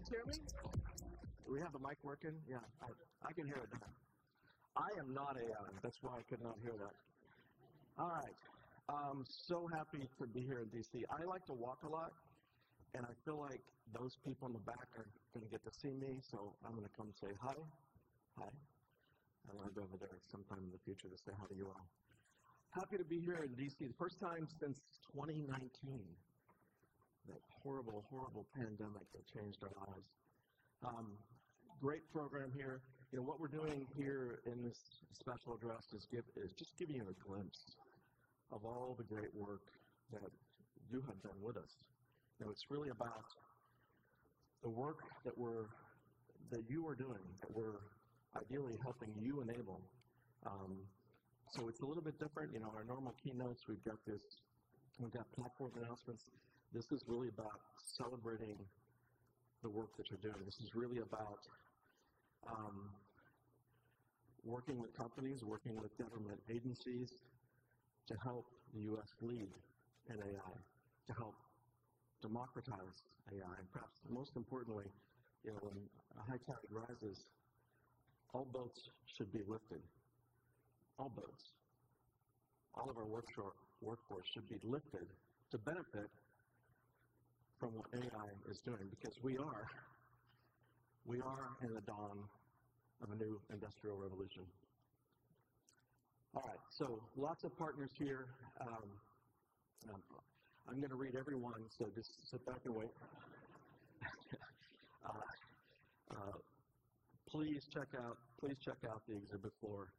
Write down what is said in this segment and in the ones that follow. Hello! We have, can you guys hear me? Do we have the mic working? Yeah, I can hear it now. I am not AI, that's why I could not hear that. All right. I'm so happy to be here in DC. I like to walk a lot, and I feel like those people in the back aren't gonna get to see me, so I'm gonna come say hi. Hi. I wanna go over there sometime in the future to say hi to you all. Happy to be here in DC, the first time since twenty nineteen, that horrible, horrible pandemic that changed our lives. Great program here. You know, what we're doing here in this special address is just giving you a glimpse of all the great work that you have done with us. You know, it's really about the work that you are doing, that we're ideally helping you enable. So it's a little bit different. You know, in our normal keynotes, we've got this... We've got platform announcements. This is really about celebrating the work that you're doing. This is really about working with companies, working with government agencies to help the US lead in AI, to help democratize AI. And perhaps most importantly, you know, when a high tide rises, all boats should be lifted. All boats. All of our workforce should be lifted to benefit from what AI is doing, because we are in the dawn of a new industrial revolution. All right, so lots of partners here. I'm gonna read every one, so just sit back and wait. Please check out, please check out the exhibit floor.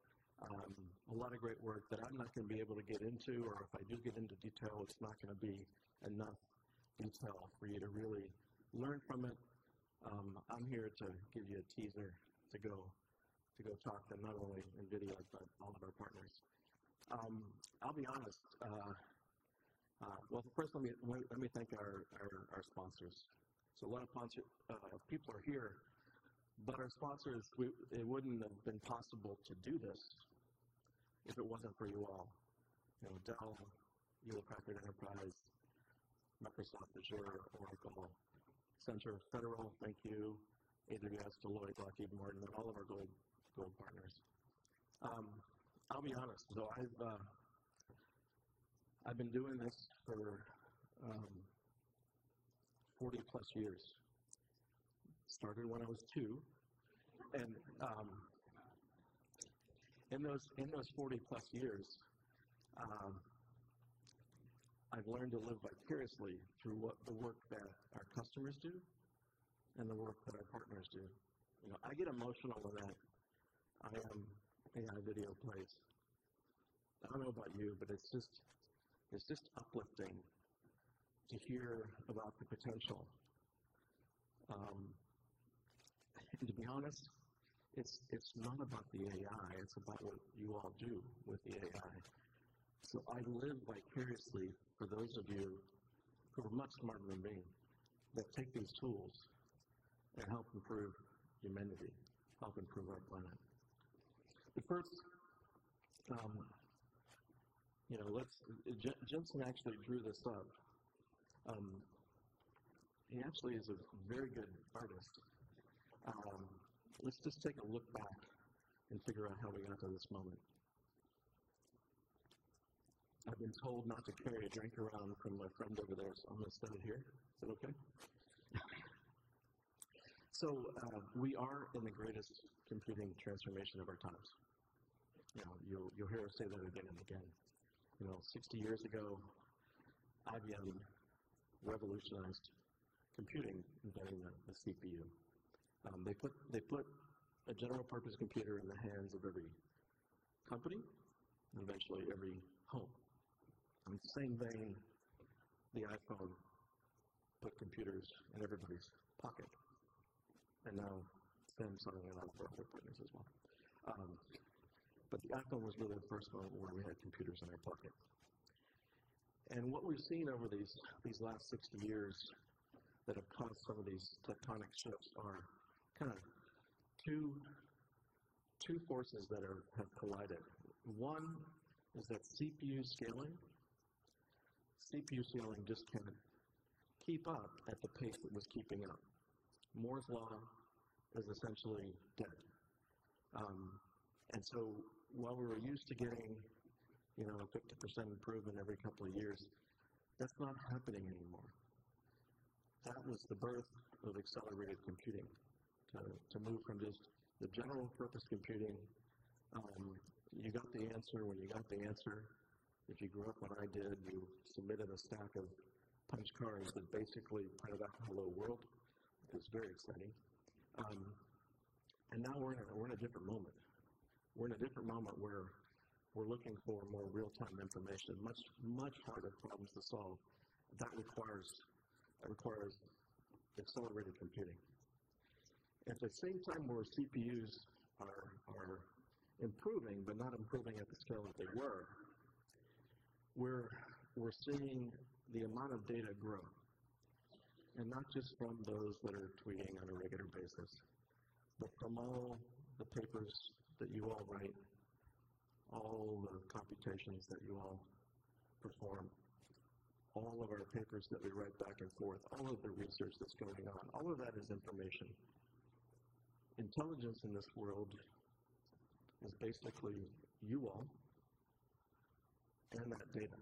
A lot of great work that I'm not gonna be able to get into, or if I do get into detail, it's not gonna be enough intel for you to really learn from it. I'm here to give you a teaser to go talk to not only NVIDIA, but all of our partners. I'll be honest. First, let me thank our sponsors. A lot of people are here, but our sponsors, it wouldn't have been possible to do this if it wasn't for you all. You know, Dell, Hewlett Packard Enterprise, Microsoft Azure, Oracle, CenturyLink Federal, thank you. AWS, Deloitte, Lockheed Martin, and all of our gold partners. I'll be honest, though, I've been doing this for forty-plus years. Started when I was two. In those forty-plus years, I've learned to live vicariously through what the work that our customers do and the work that our partners do. You know, I get emotional when a NIM AI video plays. I don't know about you, but it's just uplifting to hear about the potential. To be honest, it's not about the AI, it's about what you all do with the AI. So I live vicariously for those of you who are much smarter than me, that take these tools and help improve humanity, help improve our planet. But first, you know, let's... Jensen actually drew this up. He actually is a very good artist. Let's just take a look back and figure out how we got to this moment. I've been told not to carry a drink around from my friends over there, so I'm gonna set it here. Is that okay? So, we are in the greatest computing transformation of our times. You know, you'll hear us say that again and again. You know, sixty years ago, IBM revolutionized computing, inventing the CPU. They put a general purpose computer in the hands of every company and eventually every home. In the same vein, the iPhone put computers in everybody's pocket, and now Samsung and other partners as well. But the iPhone was really the first moment where we had computers in our pocket. And what we're seeing over these last sixty years that have caused some of these tectonic shifts are kinda two forces that have collided. One is that CPU scaling. CPU scaling just couldn't keep up at the pace it was keeping up. Moore's Law is essentially dead, and so while we were used to getting, you know, a 50% improvement every couple of years, that's not happening anymore. That was the birth of accelerated computing. To move from just the general purpose computing, you got the answer when you got the answer. If you grew up when I did, you submitted a stack of punch cards that basically printed out, "Hello, world." It was very exciting. And now we're in a different moment where we're looking for more real-time information, much harder problems to solve. That requires accelerated computing. At the same time, more CPUs are improving, but not improving at the scale that they were. We're seeing the amount of data grow... and not just from those that are tweeting on a regular basis, but from all the papers that you all write, all the computations that you all perform, all of our papers that we write back and forth, all of the research that's going on, all of that is information. Intelligence in this world is basically you all and that data,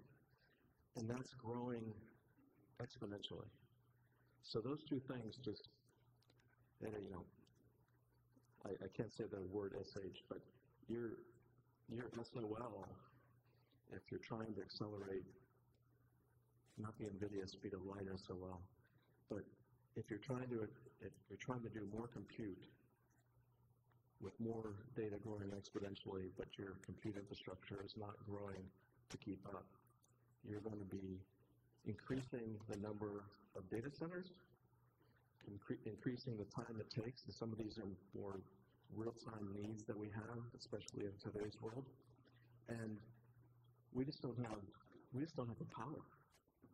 and that's growing exponentially. So those two things, you know, I can't say the word SH, but you're SOL if you're trying to accelerate, not the NVIDIA speed of light SOL, but if you're trying to do more compute with more data growing exponentially, but your compute infrastructure is not growing to keep up, you're gonna be increasing the number of data centers, increasing the time it takes, and some of these are more real-time needs that we have, especially in today's world. And we just don't have the power.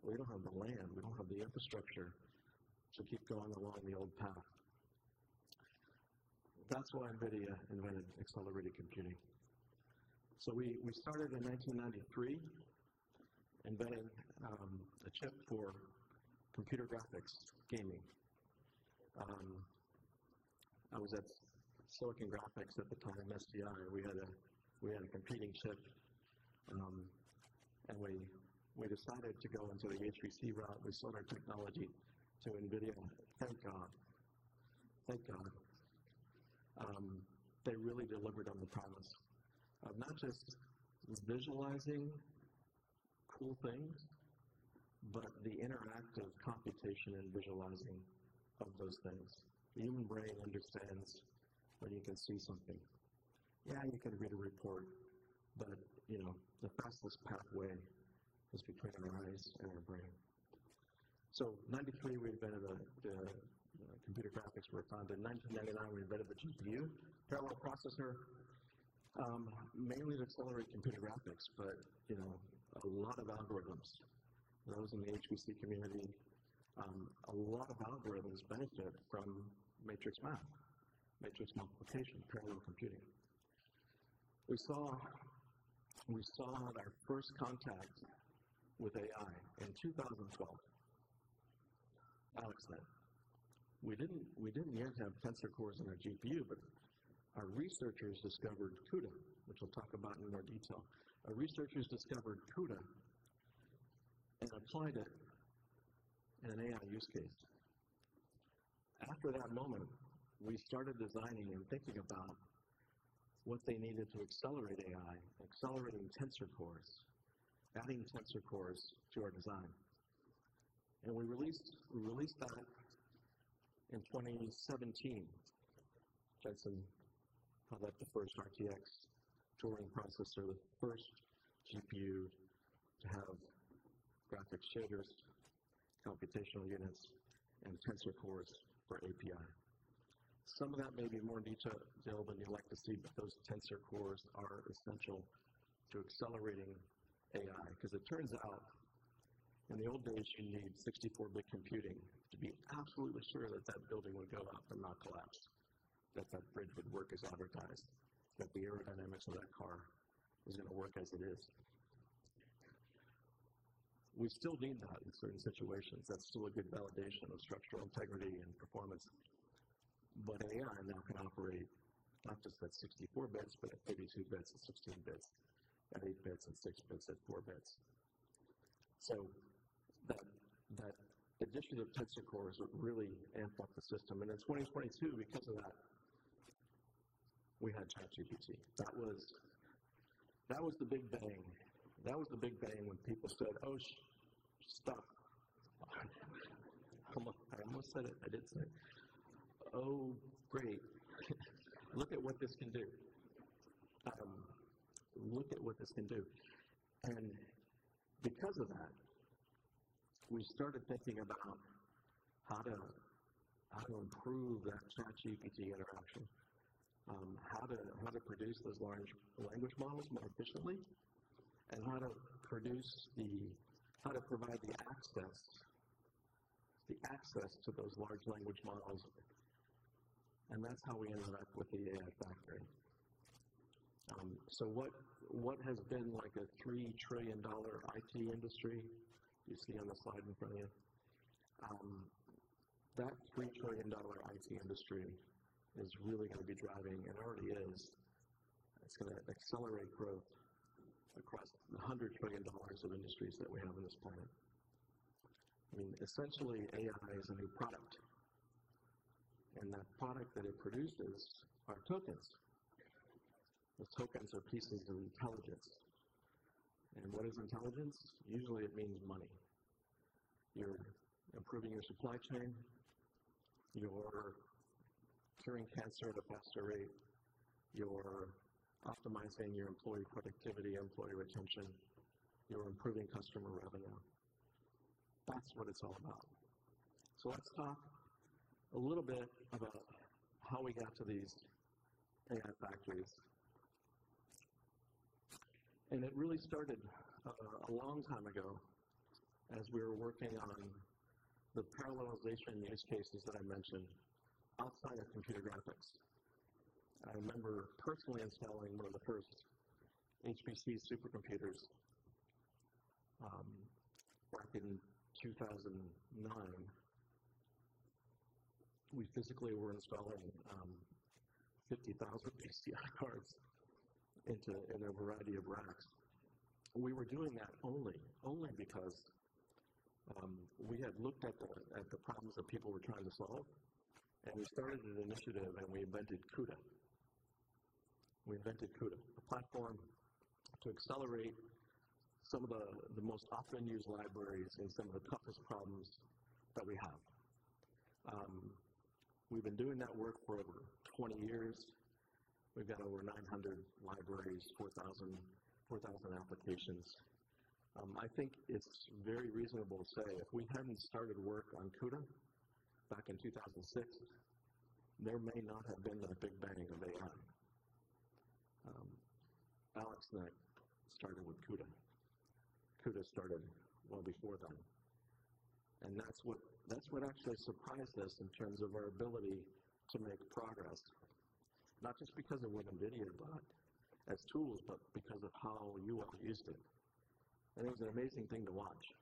We don't have the land, we don't have the infrastructure to keep going along the old path. That's why NVIDIA invented accelerated computing. So we started in 1993, invented a chip for computer graphics, gaming. I was at Silicon Graphics at the time, SGI. We had a competing chip, and we decided to go into the HPC route. We sold our technology to NVIDIA. Thank God! They really delivered on the promise of not just visualizing cool things, but the interactive computation and visualizing of those things. The human brain understands when you can see something. Yeah, you can read a report, but, you know, the fastest pathway is between our eyes and our brain. So 1993, we invented the computer graphics work. In 1999, we invented the GPU, parallel processor, mainly to accelerate computer graphics, but, you know, a lot of algorithms, those in the HPC community, benefit from matrix math, matrix multiplication, parallel computing. We saw our first contact with AI in 2012. AlexNet. We didn't yet have Tensor Cores in our GPU, but our researchers discovered CUDA, which we'll talk about in more detail. Our researchers discovered CUDA and applied it in an AI use case. After that moment, we started designing and thinking about what they needed to accelerate AI, accelerating Tensor Cores, adding Tensor Cores to our design. We released that in 2017. Jensen called that the first RTX Turing processor, the first GPU to have graphics shaders, computational units, and Tensor Cores for AI. Some of that may be more detail than you'd like to see, but those Tensor Cores are essential to accelerating AI, 'cause it turns out in the old days, you need sixty-four-bit computing to be absolutely sure that that building would go up and not collapse, that that bridge would work as advertised, that the aerodynamics of that car is gonna work as it is. We still need that in certain situations. That's still a good validation of structural integrity and performance, but AI now can operate not just at sixty-four bits, but at thirty-two bits and sixteen bits, at eight bits and six bits, at four bits. So that, that addition of Tensor Cores really amped up the system, and in 2022, because of that, we had ChatGPT. That was, that was the big bang. That was the big bang when people said, "Oh, sh... Stop!" Come on, I almost said it. I did say it. "Oh, great. Look at what this can do. look at what this can do." And because of that, we started thinking about how to improve that ChatGPT interaction, how to produce those large language models more efficiently, and how to provide the access to those large language models, and that's how we ended up with the AI factory. So what has been like a $3 trillion IT industry, you see on the slide in front of you? That $3 trillion IT industry is really gonna be driving and already is. It's gonna accelerate growth across the $100 trillion of industries that we have on this planet. I mean, essentially, AI is a new product, and that product that it produces are tokens. The tokens are pieces of intelligence. And what is intelligence? Usually, it means money. You're improving your supply chain, you're curing cancer at a faster rate, you're optimizing your employee productivity, employee retention, you're improving customer revenue. That's what it's all about. So let's talk a little bit about how we got to these AI factories. It really started a long time ago as we were working on the parallelization use cases that I mentioned outside of computer graphics. I remember personally installing one of the first HPC supercomputers back in 2009. We physically were installing 50,000 PCI cards into a variety of racks. We were doing that only because we had looked at the problems that people were trying to solve, and we started an initiative, and we invented CUDA. We invented CUDA, a platform to accelerate some of the most often used libraries in some of the toughest problems that we have. We've been doing that work for over twenty years. We've got over nine hundred libraries, 4,000 applications. I think it's very reasonable to say if we hadn't started work on CUDA back in 2006, there may not have been the big bang of AI. AlexNet started with CUDA. CUDA started well before then, and that's what actually surprised us in terms of our ability to make progress, not just because of we NVIDIA, but as tools, but because of how you all used it. And it was an amazing thing to watch.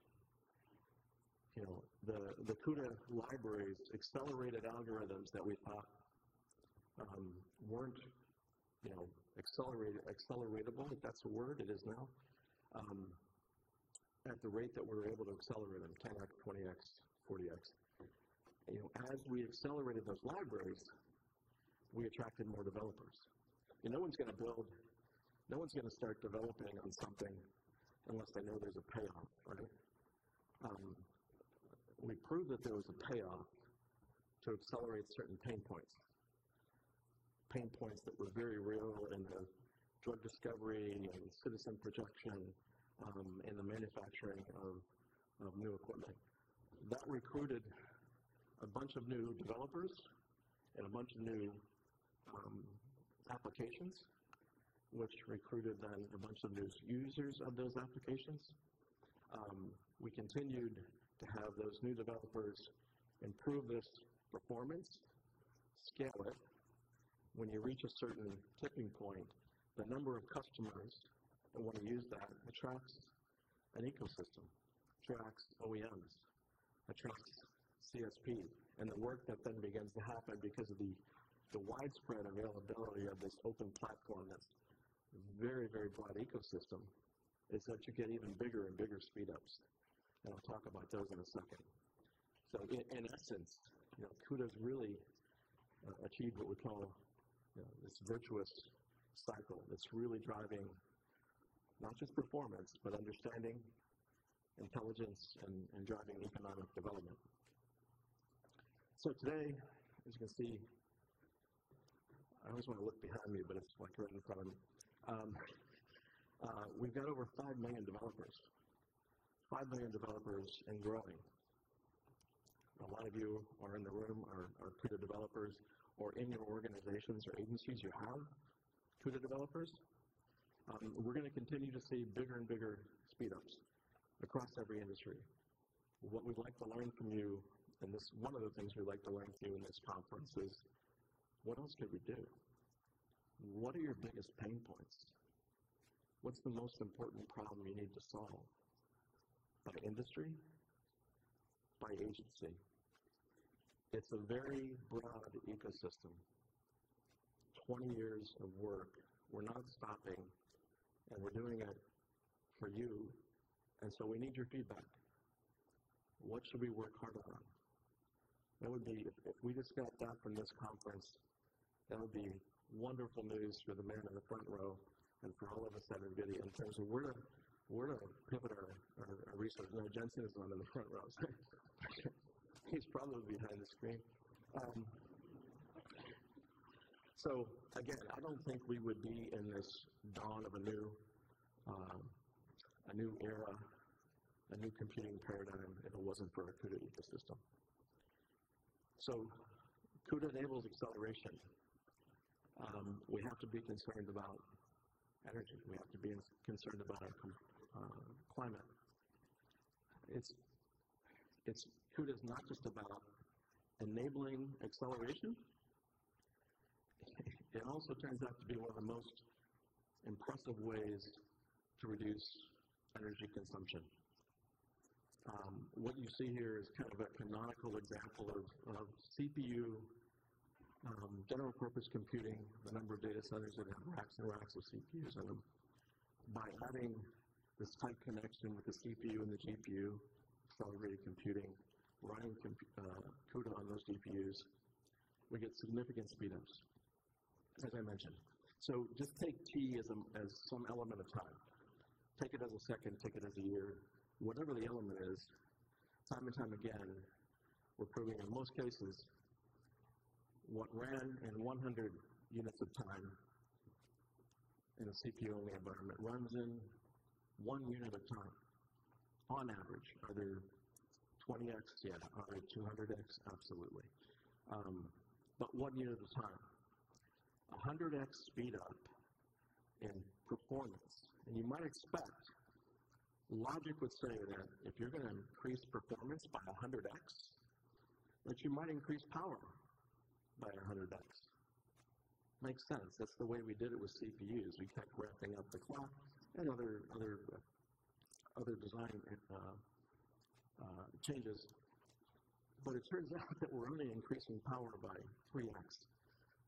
You know, the CUDA libraries accelerated algorithms that we thought weren't, you know, acceleratable, if that's a word, it is now. At the rate that we were able to accelerate them, 10X, 20X, 40X. You know, as we accelerated those libraries, we attracted more developers. And no one's gonna build. No one's gonna start developing on something unless they know there's a payoff, right? We proved that there was a payoff to accelerate certain pain points. Pain points that were very real in the drug discovery and citizen protection and the manufacturing of new equipment. That recruited a bunch of new developers and a bunch of new applications, which recruited then a bunch of new users of those applications. We continued to have those new developers improve this performance, scale it. When you reach a certain tipping point, the number of customers that want to use that attracts an ecosystem, attracts OEMs, attracts CSP. And the work that then begins to happen because of the widespread availability of this open platform, that's very, very broad ecosystem, is that you get even bigger and bigger speedups, and I'll talk about those in a second. So in essence, you know, CUDA's really achieved what we call this virtuous cycle that's really driving not just performance, but understanding intelligence and driving economic development. So today, as you can see, I always want to look behind me, but it's right in front of me. We've got over five million developers, five million developers and growing. A lot of you in the room are CUDA developers, or in your organizations or agencies, you have CUDA developers. We're gonna continue to see bigger and bigger speedups across every industry. What we'd like to learn from you, and this is one of the things we'd like to learn from you in this conference, is: what else can we do? What are your biggest pain points? What's the most important problem you need to solve by industry, by agency? It's a very broad ecosystem, 20 years of work. We're not stopping, and we're doing it for you, and so we need your feedback. What should we work harder on? That would be... If we just got that from this conference, that would be wonderful news for the man in the front row and for all of us at NVIDIA, in terms of we're a pivot of research. Jensen Huang is the one in the front row. He's probably behind the screen. So again, I don't think we would be in this dawn of a new era, a new computing paradigm if it wasn't for our CUDA ecosystem. So CUDA enables acceleration. We have to be concerned about energy. We have to be concerned about climate. CUDA is not just about enabling acceleration, it also turns out to be one of the most impressive ways to reduce energy consumption. What you see here is kind of a canonical example of CPU general purpose computing, the number of data centers that have racks and racks of CPUs in them. By having this tight connection with the CPU and the GPU, accelerated computing, running CUDA on those GPUs, we get significant speedups, as I mentioned. So just take T as some element of time, take it as a second, take it as a year, whatever the element is. Time and time again, we're proving in most cases, what ran in 100 units of time in a CPU-only environment runs in one unit of time. On average, are there 20X? Yeah. Are there 200X? Absolutely. But one unit at a time, a 100X speedup in performance, and you might expect, logic would say that if you're gonna increase performance by a 100X, that you might increase power by a 100X. Makes sense. That's the way we did it with CPUs. We kept ramping up the clock and other design changes. But it turns out that we're only increasing power by 3X.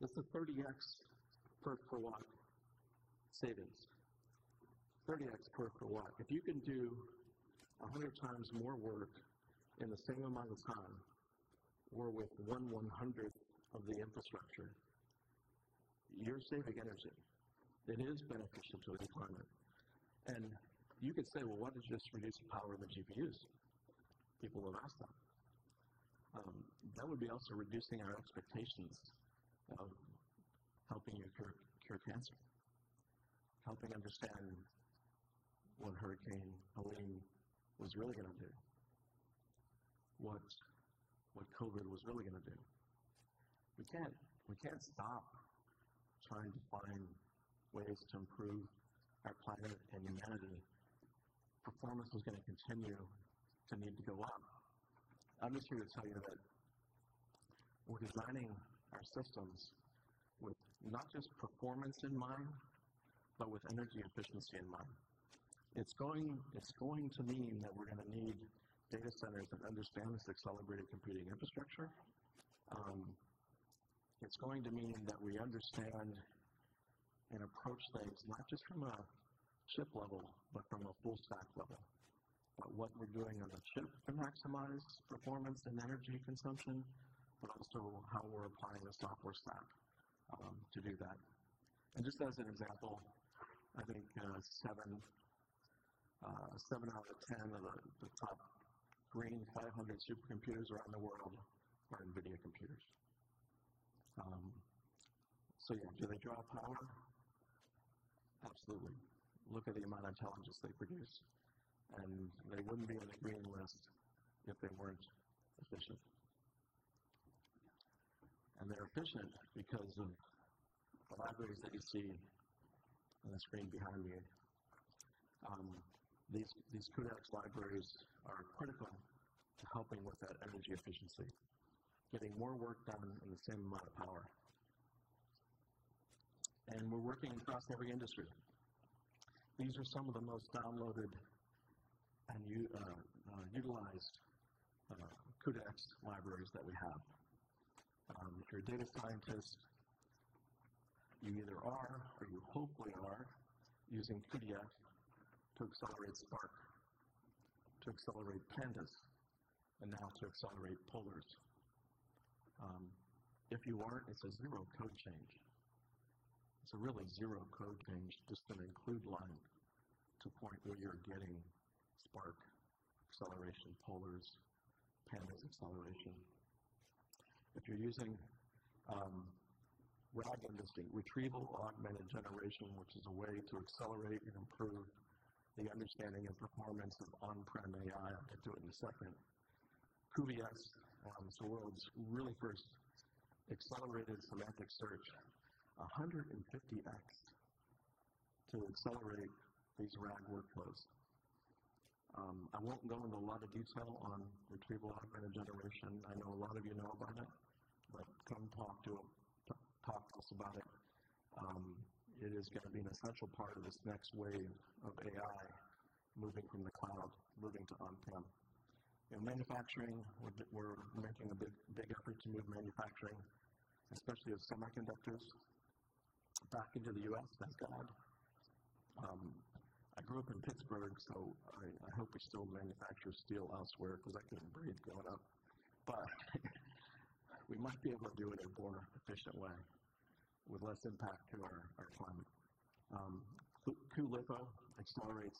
That's a 30X per watt savings. 30X per watt. If you can do a hundred times more work in the same amount of time or with one-hundredth of the infrastructure, you're saving energy. It is beneficial to the climate. And you could say, "Well, why don't you just reduce the power of the GPUs?" People have asked that. That would be also reducing our expectations of helping you cure cancer, helping understand what Hurricane Helene was really gonna do, what COVID was really gonna do. We can't stop trying to find ways to improve our planet and humanity. Performance is gonna continue to need to go up. I'm just here to tell you that we're designing our systems with not just performance in mind, but with energy efficiency in mind. It's going to mean that we're gonna need data centers that understand this accelerated computing infrastructure. It's going to mean that we understand and approach things not just from a chip level, but from a full stack level, but what we're doing on the chip to maximize performance and energy consumption, but also how we're applying the software stack to do that. And just as an example, I think, seven out of 10 of the top Green500 supercomputers around the world are NVIDIA computers. So yeah, do they draw power? Absolutely. Look at the amount of intelligence they produce, and they wouldn't be on the green list if they weren't efficient. And they're efficient because of the libraries that you see on the screen behind me. These, these CUDA-X libraries are critical to helping with that energy efficiency, getting more work done in the same amount of power. And we're working across every industry. These are some of the most downloaded and utilized CUDA-X libraries that we have. If you're a data scientist, you either are or you hopefully are using CUDA-X to accelerate Spark, to accelerate Pandas, and now to accelerate Polars. If you aren't, it's a zero code change. It's a really zero code change, just an include line to a point where you're getting Spark acceleration, Polars, Pandas acceleration. If you're using RAG, retrieval-augmented generation, which is a way to accelerate and improve the understanding and performance of on-prem AI. I'll get to it in a second. cuVS is the world's really first accelerated semantic search, 150x to accelerate these RAG workflows. I won't go into a lot of detail on retrieval-augmented generation. I know a lot of you know about it, but come talk to us about it. It is gonna be an essential part of this next wave of AI moving from the cloud, moving to on-prem. In manufacturing, we're making a big effort to move manufacturing, especially of semiconductors, back into the U.S. Thank God. I grew up in Pittsburgh, so I hope we still manufacture steel elsewhere because I couldn't breathe growing up. But we must be able to do it in a more efficient way with less impact to our climate. cuLitho accelerates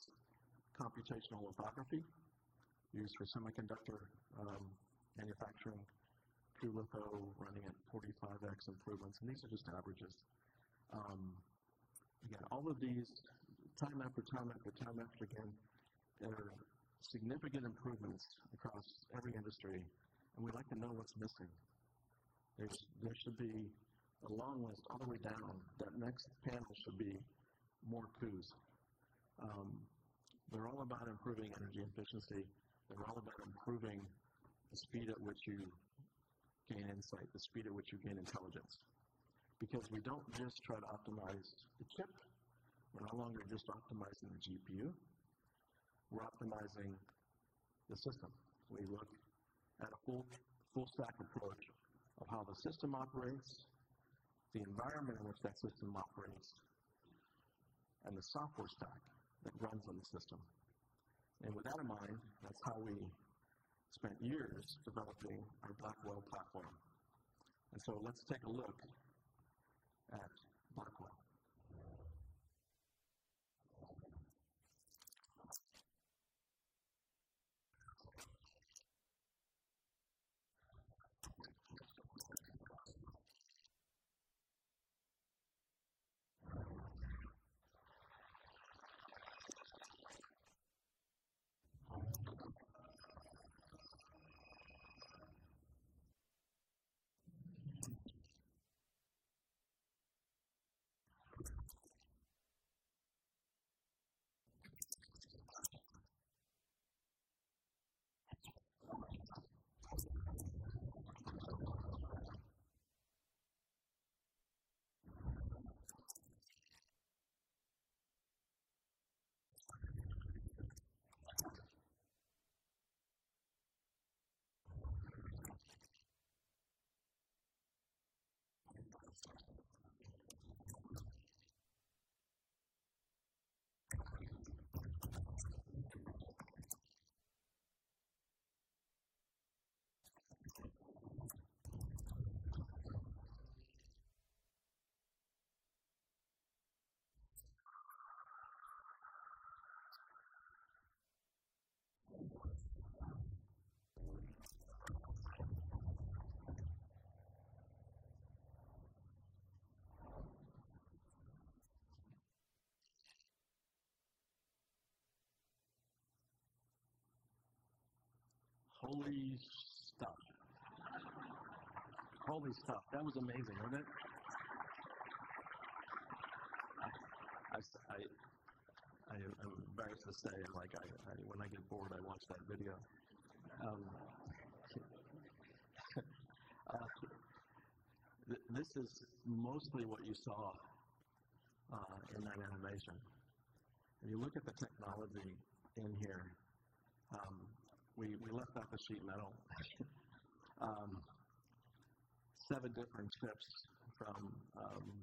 computational lithography used for semiconductor manufacturing, cuLitho running at 45X improvements, and these are just averages. Yeah, all of these time after time, there are significant improvements across every industry, and we'd like to know what's missing. There should be a long list all the way down. That next panel should be more cu's. They're all about improving energy efficiency. They're all about improving the speed at which you gain insight, the speed at which you gain intelligence. Because we don't just try to optimize the chip. We're no longer just optimizing the GPU. We're optimizing the system. We look at a full, full stack approach of how the system operates, the environment in which that system operates, and the software stack that runs on the system. And with that in mind, that's how we spent years developing our Blackwell platform. And so let's take a look at Blackwell. Holy stuff! Holy stuff. That was amazing, wasn't it? I'm embarrassed to say, like, I... When I get bored, I watch that video. This is mostly what you saw in that animation. When you look at the technology in here, we left out the sheet metal. Seven different chips from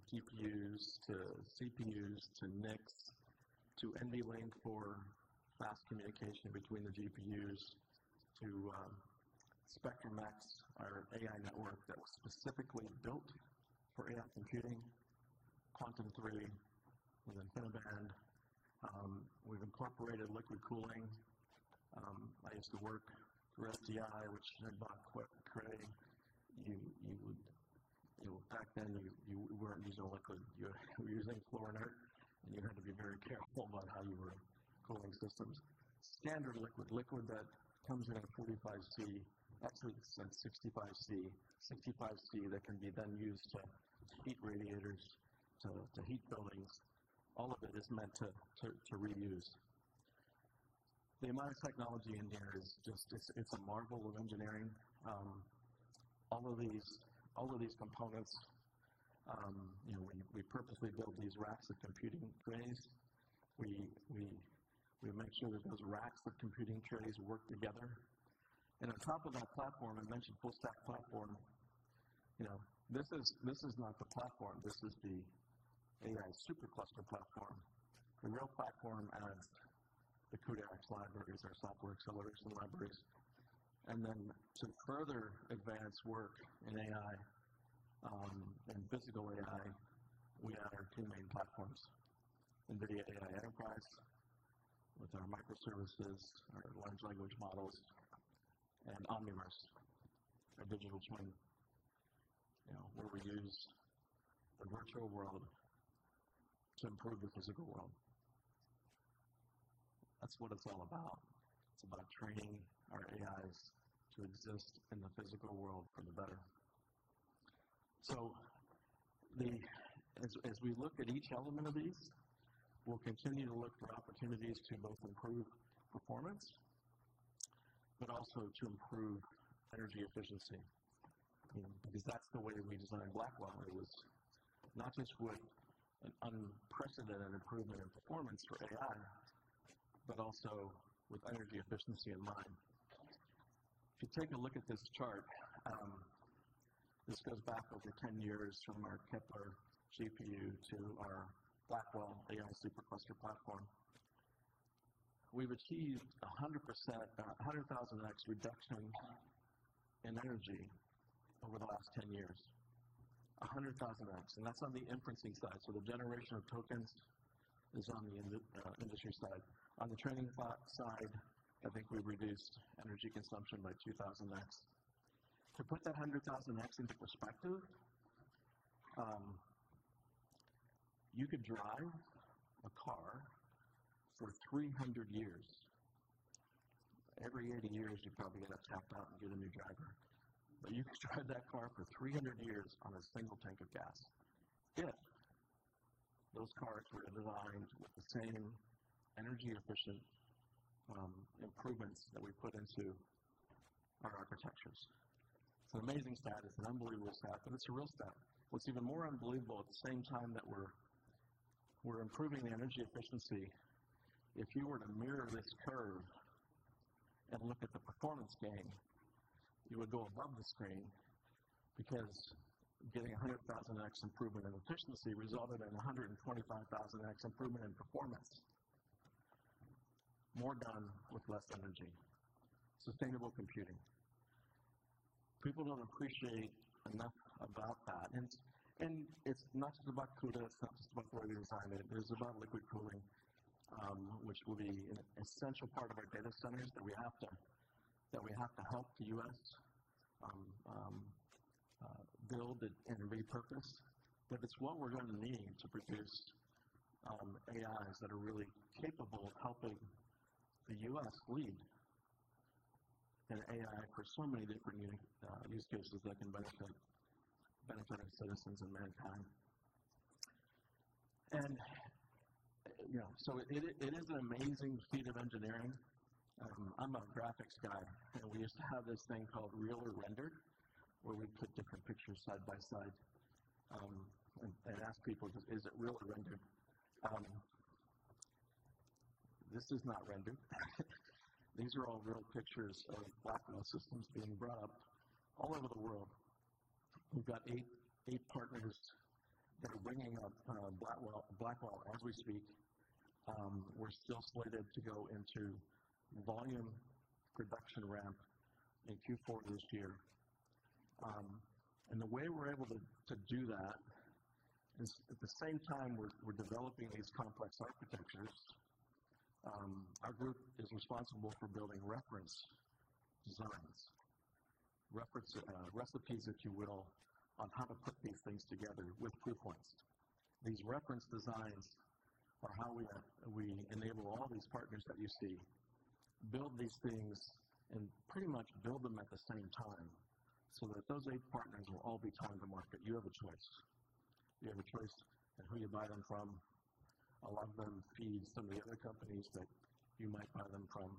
GPUs to CPUs to NICs to NVLink for fast communication between the GPUs, to Spectrum-X, our AI network that was specifically built for AI computing, Quantum-3, and then InfiniBand. We've incorporated liquid cooling. I used to work for SGI, which then bought Cray. You would, you know, back then, you weren't using liquid, you were using chlorinated, and you had to be very careful about how you were cooling systems. Standard liquid that comes in at 45 degrees C, exits at 65 degrees C. 65 degrees C that can be then used to heat radiators, to heat buildings. All of it is meant to reuse. The amount of technology in there is just... It's a marvel of engineering. All of these components, you know, we purposely build these racks of computing Grace. We make sure that those racks of computing Grace work together. And on top of that platform, I mentioned full stack platform. You know, this is not the platform. This is the AI super cluster platform. The real platform adds the CUDA-X libraries, our software acceleration libraries. And then to further advance work in AI and physical AI, we add our two main platforms, NVIDIA AI Enterprise, with our microservices, our large language models, and Omniverse, a digital twin, you know, where we use the virtual world to improve the physical world. That's what it's all about. It's about training our AIs to exist in the physical world for the better. So the... As we look at each element of these, we'll continue to look for opportunities to both improve performance, but also to improve energy efficiency, you know, because that's the way we designed Blackwell. It was not just with an unprecedented improvement in performance for AI, but also with energy efficiency in mind. If you take a look at this chart, this goes back over 10 years from our Kepler GPU to our Blackwell AI supercluster platform. We've achieved a 100,000x reduction in energy over the last 10 years. A 100,000x, and that's on the inferencing side, so the generation of tokens is on the industry side. On the training side, I think we've reduced energy consumption by 2,000x. To put that 100,000x into perspective, you could drive a car for 300 years. Every eighty years, you'd probably get tapped out and get a new driver, but you could drive that car for three hundred years on a single tank of gas if those cars were designed with the same energy-efficient improvements that we put into our architectures. It's an amazing stat. It's an unbelievable stat, but it's a real stat. What's even more unbelievable, at the same time that we're improving the energy efficiency, if you were to mirror this curve and look at the performance gain, you would go above the screen because getting a hundred thousand X improvement in efficiency resulted in a hundred and twenty-five thousand X improvement in performance. More done with less energy, sustainable computing. People don't appreciate enough about that, and it's not just about CUDA, it's not just about the way we design it, it is about liquid cooling, which will be an essential part of our data centers, that we have to help the U.S. build and repurpose, but it's what we're going to need to produce AIs that are really capable of helping the U.S. lead in AI for so many different use cases that can benefit our citizens and mankind. And, you know, so it is an amazing feat of engineering. I'm a graphics guy, and we used to have this thing called Real or Rendered, where we'd put different pictures side by side, and ask people to, "Is it real or rendered?" This is not rendered. These are all real pictures of Blackwell systems being brought up all over the world. We've got eight, eight partners that are bringing up Blackwell, Blackwell as we speak. We're still slated to go into volume production ramp in Q4 of this year. And the way we're able to do that is at the same time, we're developing these complex architectures. Our group is responsible for building reference designs, reference recipes, if you will, on how to put these things together with blueprints. These reference designs are how we enable all these partners that you see, build these things and pretty much build them at the same time, so that those eight partners will all be time to market. You have a choice. You have a choice in who you buy them from. A lot of them feed some of the other companies that you might buy them from.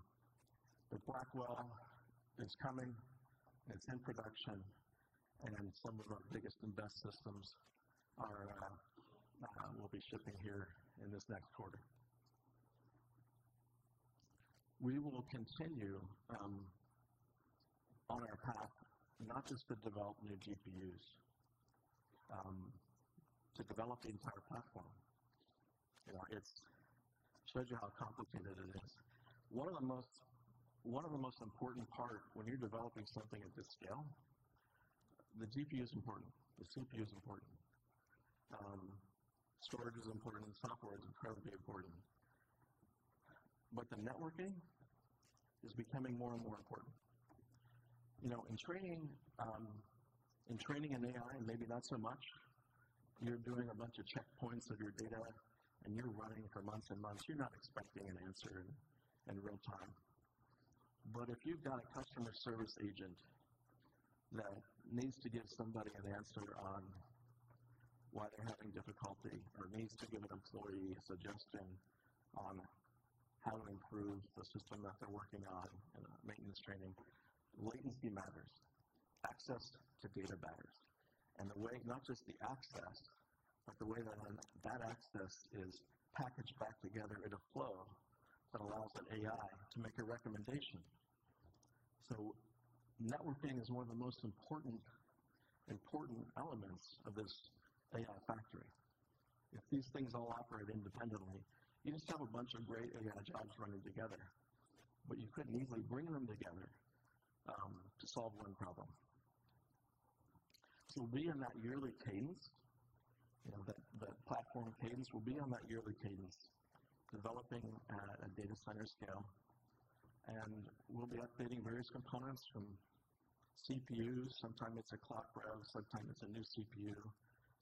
But Blackwell is coming, it's in production, and some of our biggest and best systems will be shipping here in this next quarter. We will continue on our path, not just to develop new GPUs, to develop the entire platform. You know, it shows you how complicated it is. One of the most important part when you're developing something at this scale, the GPU is important, the CPU is important, storage is important, and software is incredibly important, but the networking is becoming more and more important. You know, in training an AI, maybe not so much, you're doing a bunch of checkpoints of your data, and you're running for months and months. You're not expecting an answer in real time. But if you've got a customer service agent that needs to give somebody an answer on why they're having difficulty or needs to give an employee a suggestion on how to improve the system that they're working on and maintenance training, latency matters, access to data matters, and the way... not just the access, but the way that access is packaged back together in a flow that allows an AI to make a recommendation. So networking is one of the most important elements of this AI factory. If these things all operate independently, you just have a bunch of great AI jobs running together, but you couldn't easily bring them together to solve one problem. So we are in that yearly cadence, you know, that platform cadence, we'll be on that yearly cadence, developing at a data center scale, and we'll be updating various components from CPUs, sometime it's a clock rev, sometime it's a new CPU,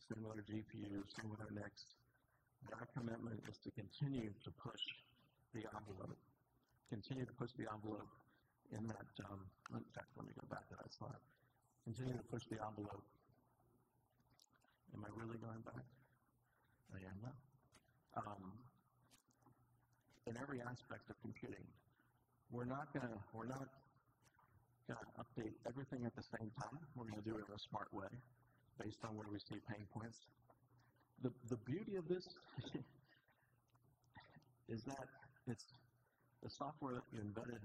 similar to GPU, similar next. Our commitment is to continue to push the envelope, continue to push the envelope in that. In fact, let me go back to that slide. Continue to push the envelope. Am I really going back? I am now. In every aspect of computing, we're not gonna, we're not gonna update everything at the same time. We're gonna do it in a smart way, based on where we see pain points. The beauty of this is that it's the software that we embedded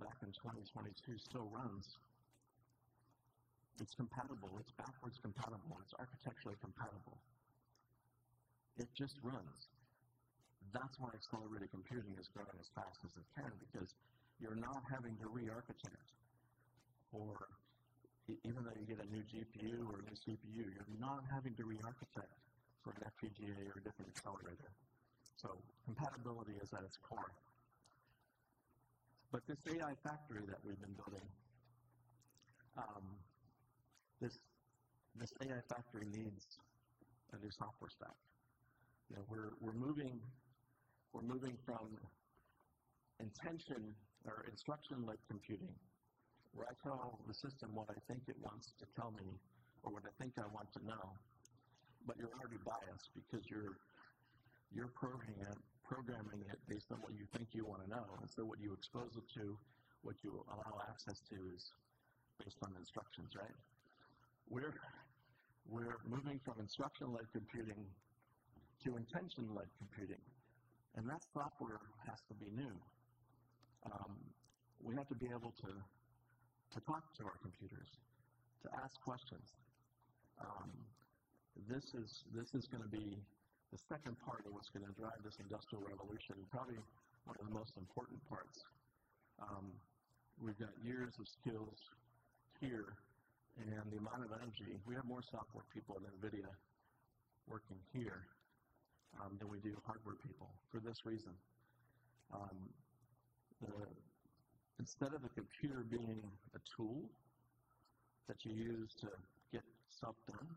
back in twenty twenty-two still runs. It's compatible, it's backwards compatible, and it's architecturally compatible. It just runs. That's why accelerated computing is growing as fast as it can, because you're not having to re-architect, or even though you get a new GPU or a new CPU, you're not having to re-architect for an FPGA or a different accelerator. So compatibility is at its core. But this AI factory that we've been building, this AI factory needs a new software stack. You know, we're moving from intention or instruction-led computing, where I tell the system what I think it wants to tell me or what I think I want to know, but you're already biased because you're programming it based on what you think you wanna know. And so what you expose it to, what you allow access to, is based on instructions, right? We're moving from instruction-led computing to intention-led computing, and that software has to be new. We have to be able to talk to our computers, to ask questions. This is gonna be the second part of what's gonna drive this industrial revolution, and probably one of the most important parts. We've got years of skills here, and the amount of energy. We have more software people at NVIDIA working here than we do hardware people for this reason. Instead of a computer being a tool that you use to get something done,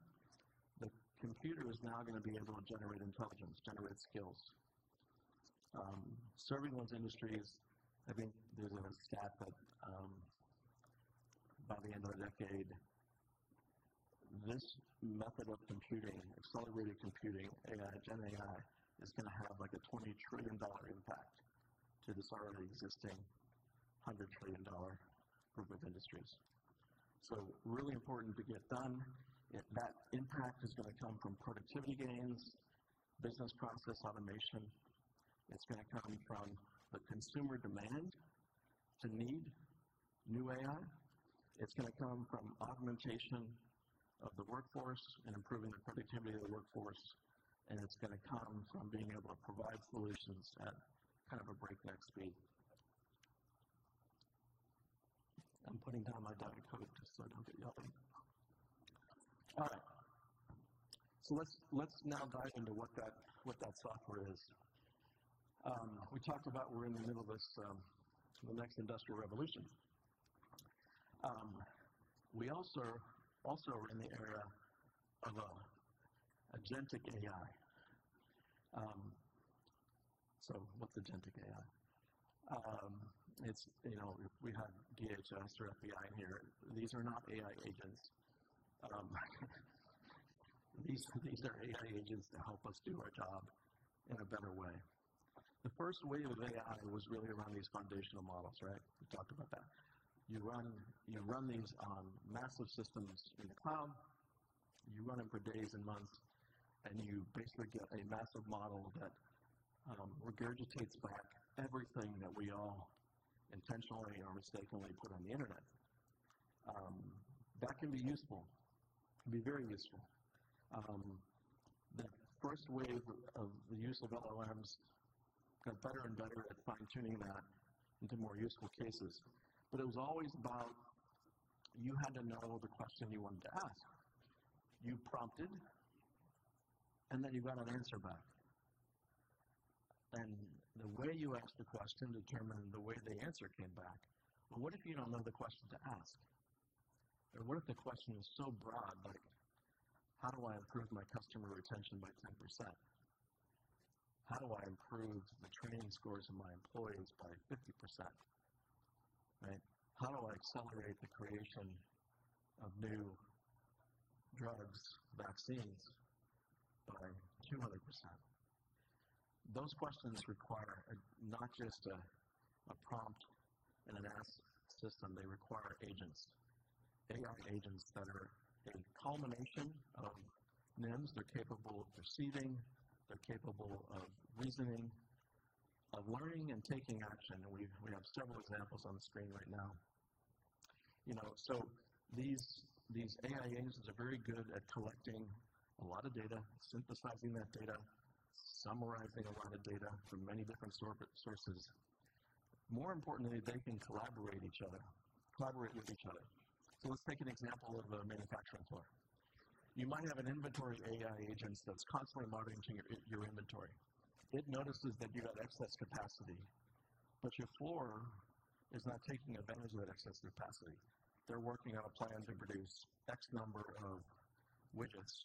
the computer is now going to be able to generate intelligence, generate skills. Serving one's industry is, I think there's a stat that, by the end of the decade, this method of computing, accelerated computing, AI, GenAI, is gonna have, like, a $20 trillion impact to this already existing $100 trillion group of industries. So really important to get done. If that impact is gonna come from productivity gains, business process automation, it's gonna come from the consumer demand to need new AI. It's gonna come from augmentation of the workforce and improving the productivity of the workforce, and it's gonna come from being able to provide solutions at kind of a breakneck speed. I'm putting down my diet Coke just so I don't get yelled at. All right. So let's now dive into what that software is. We talked about we're in the middle of this, the next industrial revolution. We also are in the era of Agentic AI. So what's Agentic AI? It's, you know, we have DHS or FBI in here. These are not AI agents. These are AI agents to help us do our job in a better way. The first wave of AI was really around these foundational models, right? We talked about that. You run these massive systems in the cloud. You run them for days and months, and you basically get a massive model that regurgitates back everything that we all intentionally or mistakenly put on the internet. That can be useful, can be very useful. The first wave of the use of LLMs got better and better at fine-tuning that into more useful cases, but it was always about you had to know the question you wanted to ask. You prompted, and then you got an answer back. And the way you asked the question determined the way the answer came back. But what if you don't know the question to ask? And what if the question is so broad, like, How do I improve my customer retention by 10%? How do I improve the training scores of my employees by 50%, right? How do I accelerate the creation of new drugs, vaccines by 200%? Those questions require not just a prompt and an ask system, they require agents, AI agents that are a culmination of NIM. They're capable of perceiving, they're capable of reasoning, of learning and taking action, and we have several examples on the screen right now. You know, so these AI agents are very good at collecting a lot of data, synthesizing that data, summarizing a lot of data from many different sources. More importantly, they can collaborate with each other. So let's take an example of a manufacturing floor. You might have an inventory of AI agents that's constantly monitoring your inventory. It notices that you have excess capacity, but your floor is not taking advantage of that excess capacity. They're working on a plan to produce X number of widgets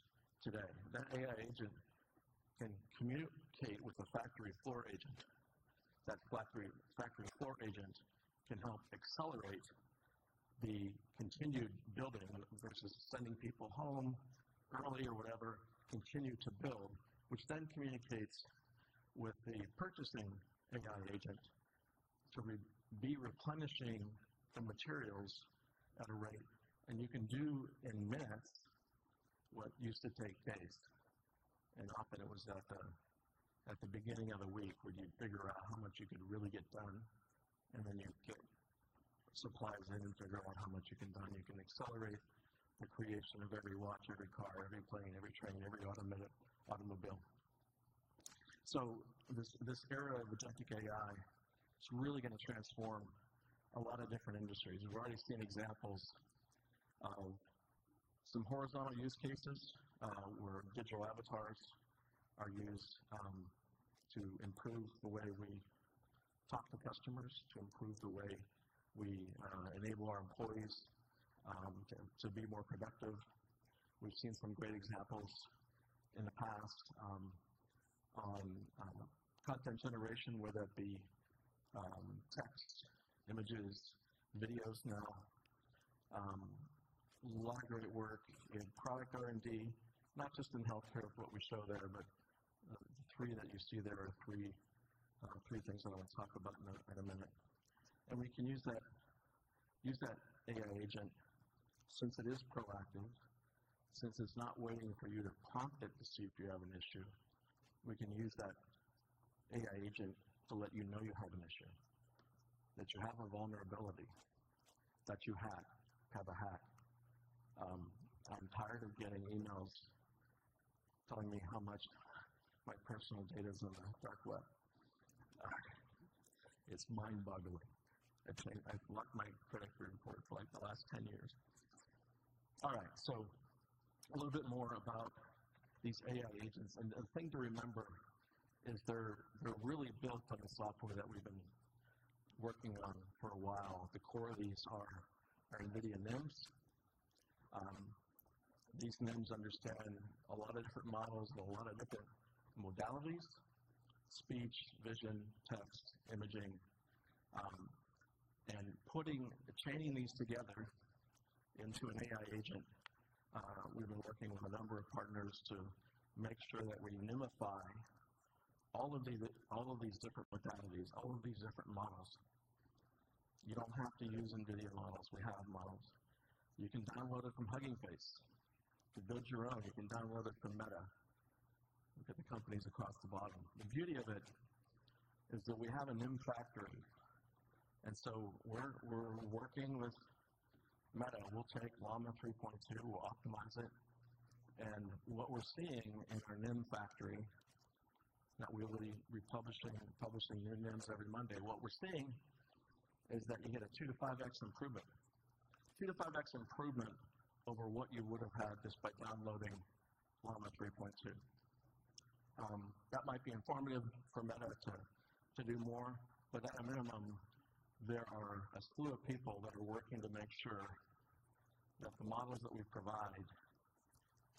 today. That AI agent can communicate with the factory floor agent. That factory floor agent can help accelerate the continued building versus sending people home early or whatever, continue to build, which then communicates with the purchasing AI agent to be replenishing the materials at a rate. And you can do in minutes what used to take days, and often it was at the beginning of the week, where you'd figure out how much you could really get done, and then you'd get supplies in and figure out how much you can do. You can accelerate the creation of every watch, every car, every plane, every train, every automated automobile. So this era of Agentic AI is really gonna transform a lot of different industries. We've already seen examples of some horizontal use cases, where digital avatars are used to improve the way we talk to customers, to improve the way we enable our employees, to be more productive. We've seen some great examples in the past, on content generation, whether it be texts, images, videos now. A lot of great work in product R&D, not just in healthcare, what we show there, but three that you see there are three things I want to talk about in a minute. And we can use that AI agent, since it is proactive, since it's not waiting for you to prompt it to see if you have an issue, we can use that AI agent to let you know you have an issue, that you have a vulnerability, that you have a hack. I'm tired of getting emails telling me how much my personal data is in the dark web. It's mind-boggling. I think I've locked my credit report for, like, the last 10 years. All right, so a little bit more about these AI agents. The thing to remember is they're really built on the software that we've been working on for a while. At the core of these are our NVIDIA NIM. These NIM understand a lot of different models and a lot of different modalities: speech, vision, text, imaging. And chaining these together into an AI agent, we've been working with a number of partners to make sure that we NIMify all of these, all of these different modalities, all of these different models. You don't have to use NVIDIA models. We have models. You can download it from Hugging Face. To build your own, you can download it from Meta. Look at the companies across the bottom. The beauty of it is that we have a NIM factory, and so we're working with Meta. We'll take Llama 3.2, we'll optimize it, and what we're seeing in our NIM factory, now we'll be republishing and publishing new NIM every Monday. What we're seeing is that you get a two to five X improvement. Two to five X improvement over what you would have had just by downloading Llama 3.2. That might be informative for Meta to do more, but at a minimum, there are a slew of people that are working to make sure that the models that we provide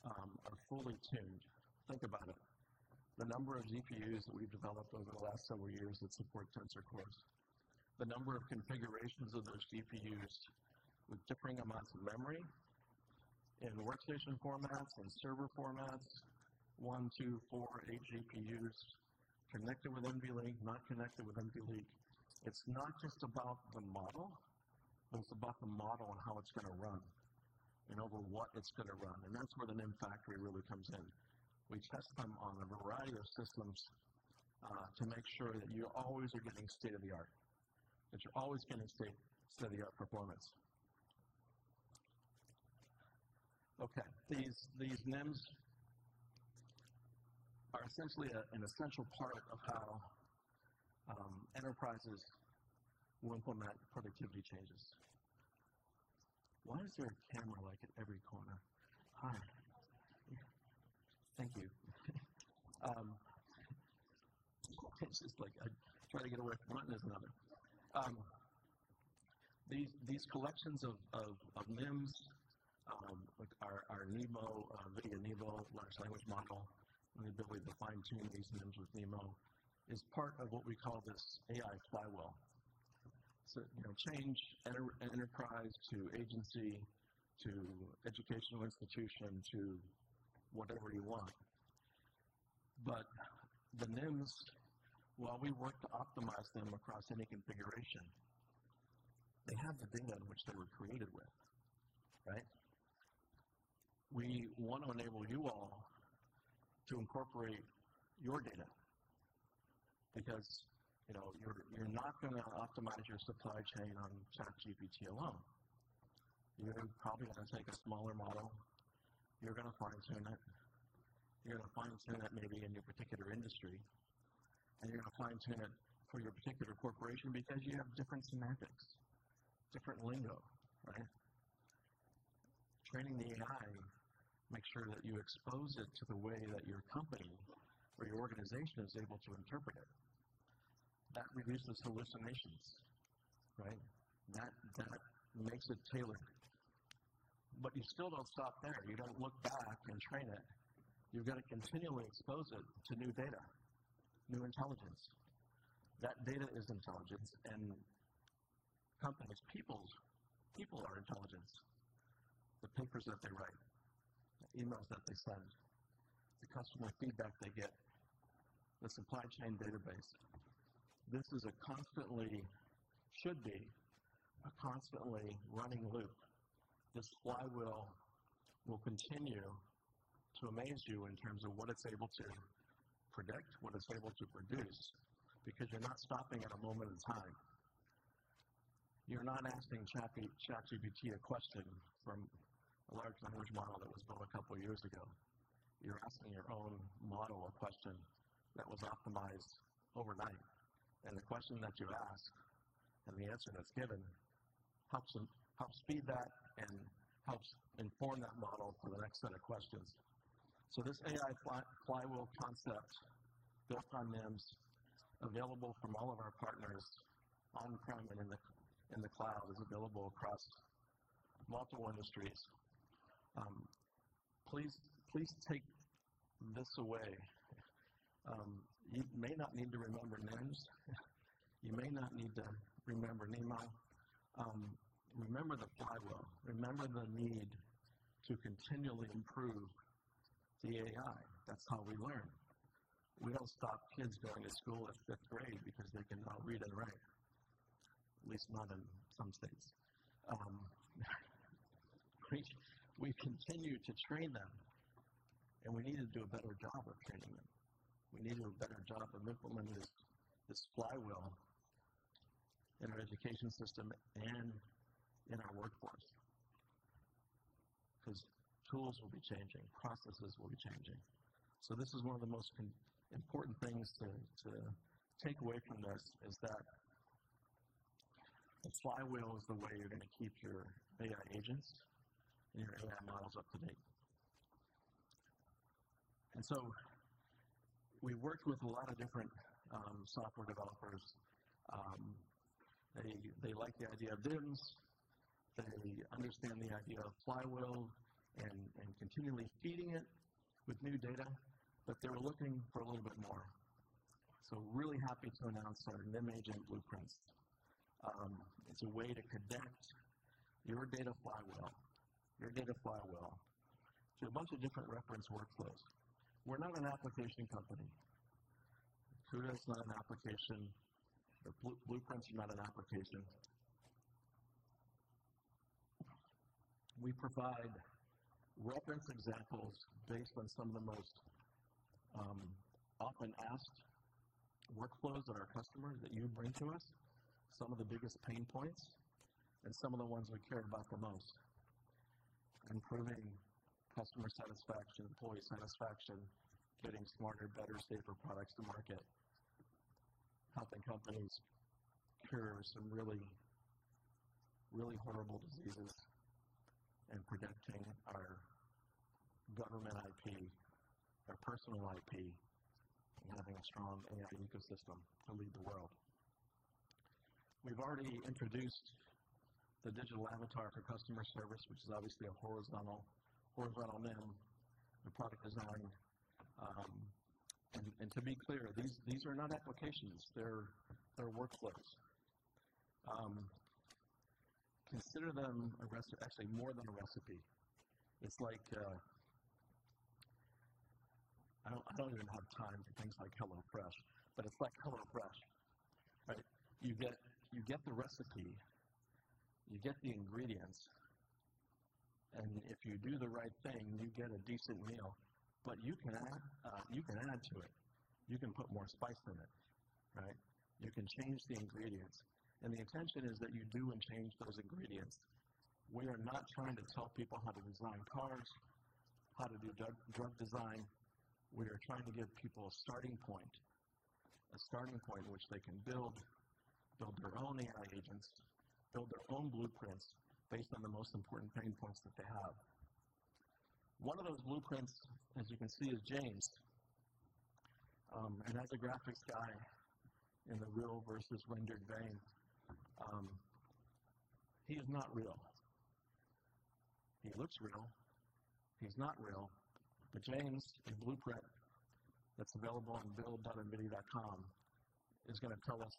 are fully tuned. Think about it. The number of GPUs that we've developed over the last several years that support Tensor Cores, the number of configurations of those GPUs with differing amounts of memory in workstation formats and server formats, one, two, four, eight GPUs connected with NVLink, not connected with NVLink. It's not just about the model, but it's about the model and how it's gonna run and over what it's gonna run, and that's where the NIM factory really comes in. We test them on a variety of systems to make sure that you always are getting state-of-the-art, that you're always getting state-of-the-art performance. Okay. These NIM are essentially an essential part of how enterprises will implement productivity changes. Why is there a camera, like, at every corner? Hi. Thank you. It's just like I try to get away from one, there's another. These collections of NIM, like our NeMo, NVIDIA NeMo large language model, and the ability to fine-tune these NIM with NeMo is part of what we call this AI flywheel. So, you know, change enterprise to agency, to educational institution, to whatever you want. But the NIM, while we work to optimize them across any configuration, they have the data in which they were created with, right? We want to enable you all to incorporate your data because, you know, you're not gonna optimize your supply chain on ChatGPT alone. You're probably gonna take a smaller model, you're gonna fine-tune it, you're gonna fine-tune it maybe in your particular industry, and you're gonna fine-tune it for your particular corporation because you have different semantics, different lingo, right? Training the AI, make sure that you expose it to the way that your company or your organization is able to interpret it. That reduces hallucinations, right? That makes it tailored. But you still don't stop there. You don't look back and train it. You've got to continually expose it to new data, new intelligence. That data is intelligence and companies, people are intelligence. The papers that they write, the emails that they send, the customer feedback they get, the supply chain database. This is a constantly... should be a constantly running loop. This flywheel will continue to amaze you in terms of what it's able to predict, what it's able to produce, because you're not stopping at a moment in time. You're not asking ChatGPT a question from a large language model that was built a couple of years ago. You're asking your own model a question that was optimized overnight, and the question that you ask and the answer that's given helps them, helps feed that and helps inform that model for the next set of questions. So this AI flywheel concept, built on NIM, available from all of our partners on-prem and in the cloud, is available across multiple industries. Please take this away. You may not need to remember NIM. You may not need to remember NeMo. Remember the flywheel. Remember the need to continually improve the AI. That's how we learn. We don't stop kids going to school at fifth grade because they cannot read and write, at least not in some states. We continue to train them, and we need to do a better job of training them. We need a better job of implementing this flywheel in our education system and in our workforce, 'cause tools will be changing, processes will be changing. This is one of the most important things to take away from this, is that-... Flywheel is the way you're going to keep your AI agents and your AI models up to date. So we've worked with a lot of different software developers. They like the idea of NIM, they understand the idea of flywheel and continually feeding it with new data, but they're looking for a little bit more. Really happy to announce our NIM Agent Blueprints. It's a way to connect your data flywheel, your data flywheel to a bunch of different reference workflows. We're not an application company. CUDA is not an application. The blueprints are not an application. We provide reference examples based on some of the most often asked workflows of our customers that you bring to us, some of the biggest pain points and some of the ones we care about the most. Improving customer satisfaction, employee satisfaction, getting smarter, better, safer products to market, helping companies cure some really, really horrible diseases, and protecting our government IP, our personal IP, and having a strong AI ecosystem to lead the world. We've already introduced the digital avatar for customer service, which is obviously a horizontal NIM and product design. And to be clear, these are not applications, they're workflows. Consider them actually more than a recipe. It's like I don't even have time for things like HelloFresh, but it's like HelloFresh, right? You get the recipe, you get the ingredients, and if you do the right thing, you get a decent meal. But you can add to it. You can put more spice in it, right? You can change the ingredients, and the intention is that you do and change those ingredients. We are not trying to tell people how to design cars, how to do drug design. We are trying to give people a starting point which they can build their own AI agents, build their own blueprints based on the most important pain points that they have. One of those blueprints, as you can see, is James, and as a graphics guy in the real versus rendered vein, he is not real. He looks real. He's not real. But James, the blueprint that's available on build.nvidia.com, is going to tell us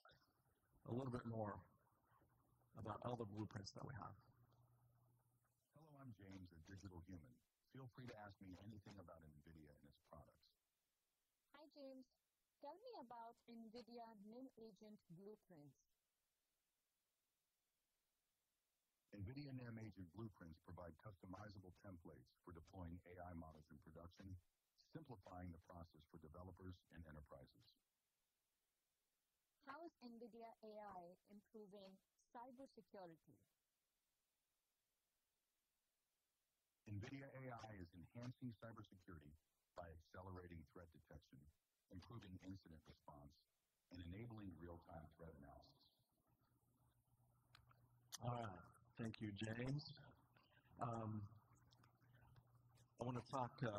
a little bit more about all the blueprints that we have. Hello, I'm James, a digital human. Feel free to ask me anything about NVIDIA and its products. Hi, James. Tell me about NVIDIA NIM Agent Blueprints? NVIDIA NIM Agent Blueprints provide customizable templates for deploying AI models in production, simplifying the process for developers and enterprises. How is NVIDIA AI improving cybersecurity? NVIDIA AI is enhancing cybersecurity by accelerating threat detection, improving incident response, and enabling real-time threat analysis. All right. Thank you, James. I want to talk a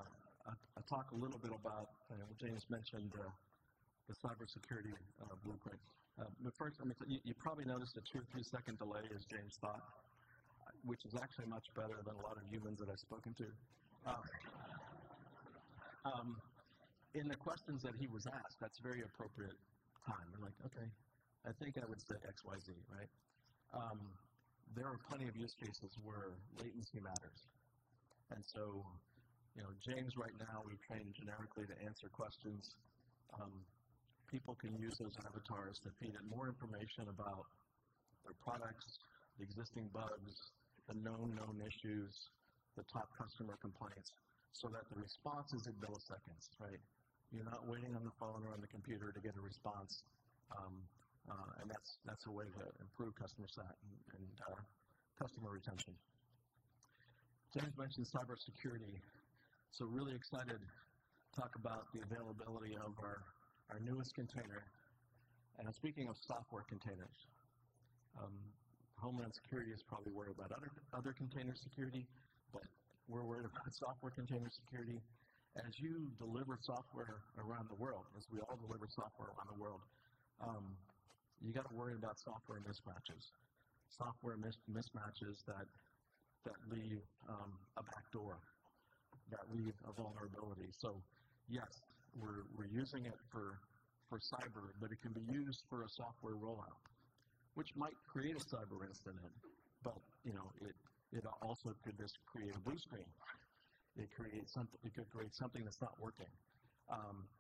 little bit about James mentioned the cybersecurity blueprint. But first, let me tell you, you probably noticed a two or three second delay as James thought, which is actually much better than a lot of humans that I've spoken to. In the questions that he was asked, that's very appropriate time. You're like: Okay, I think I would say XYZ, right? There are plenty of use cases where latency matters, and so, you know, James, right now, we've trained generically to answer questions. People can use those avatars to feed in more information about their products, the existing bugs, the known known issues, the top customer complaints, so that the response is in milliseconds, right? You're not waiting on the phone or on the computer to get a response. And that's a way to improve customer sat and customer retention. James mentioned cybersecurity, so really excited to talk about the availability of our newest container. And speaking of software containers, Homeland Security is probably worried about other container security, but we're worried about software container security. As you deliver software around the world, as we all deliver software around the world, you got to worry about software mismatches that leave a backdoor, that leave a vulnerability. So yes, we're using it for cyber, but it can be used for a software rollout, which might create a cyber incident. But, you know, it also could just create a blue screen. It could create something that's not working.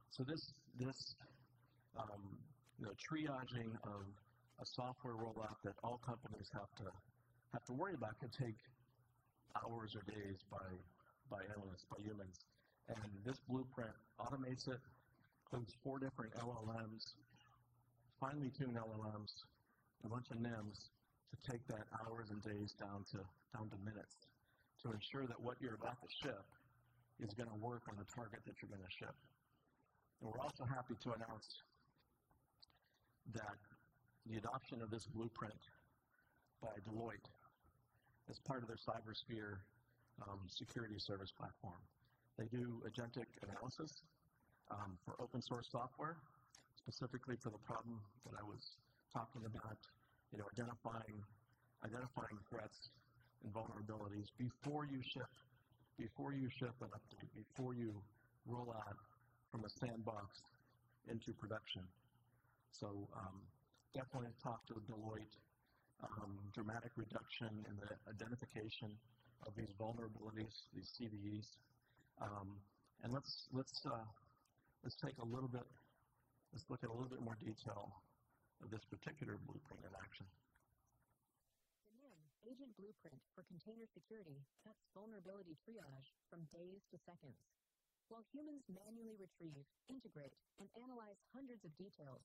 So this, you know, triaging of a software rollout that all companies have to worry about can take hours or days by analysts, by humans, and this blueprint automates it, includes four different LLMs, finely tuned LLMs, a bunch of NIM to take that hours and days down to minutes, to ensure that what you're about to ship is going to work on the target that you're going to ship, and we're also happy to announce that the adoption of this blueprint by Deloitte as part of their CyberSphere security service platform. They do agentic analysis for open source software, specifically for the problem that I was talking about, you know, identifying threats and vulnerabilities before you ship an update, before you roll out from a sandbox into production. Definitely talk to Deloitte, dramatic reduction in the identification of these vulnerabilities, these CVEs. Let's look at a little bit more detail of this particular blueprint in action. The NIM agent blueprint for container security cuts vulnerability triage from days to seconds. While humans manually retrieve, integrate, and analyze hundreds of details,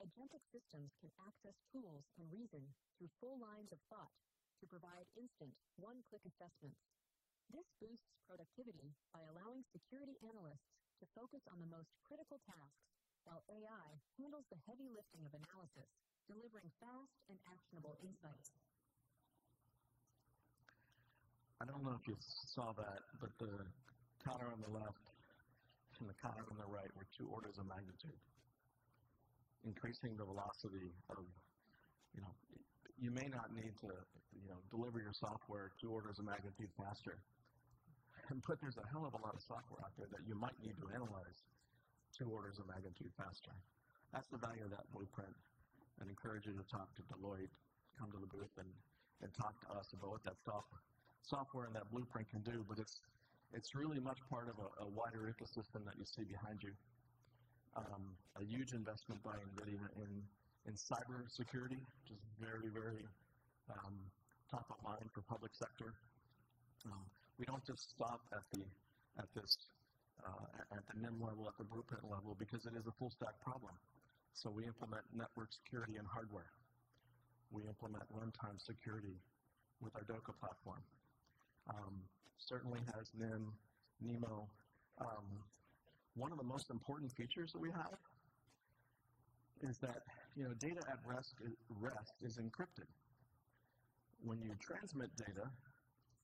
agentic systems can access tools and reason through full lines of thought to provide instant one-click assessments. This boosts productivity by allowing security analysts to focus on the most critical tasks while AI handles the heavy lifting of analysis, delivering fast and actionable insights. I don't know if you saw that, but the counter on the left and the counter on the right were two orders of magnitude, increasing the velocity of... You know, you may not need to, you know, deliver your software two orders of magnitude faster. But there's a hell of a lot of software out there that you might need to analyze two orders of magnitude faster. That's the value of that blueprint, and encourage you to talk to Deloitte. Come to the booth and talk to us about what that software and that blueprint can do, but it's really much part of a wider ecosystem that you see behind you. A huge investment by NVIDIA in cybersecurity, which is very top of mind for public sector. We don't just stop at the NIM level, at the blueprint level, because it is a full stack problem, so we implement network security and hardware. We implement runtime security with our DOCA platform. Certainly has NIM, NeMo. One of the most important features that we have is that, you know, data at rest is encrypted. When you transmit data,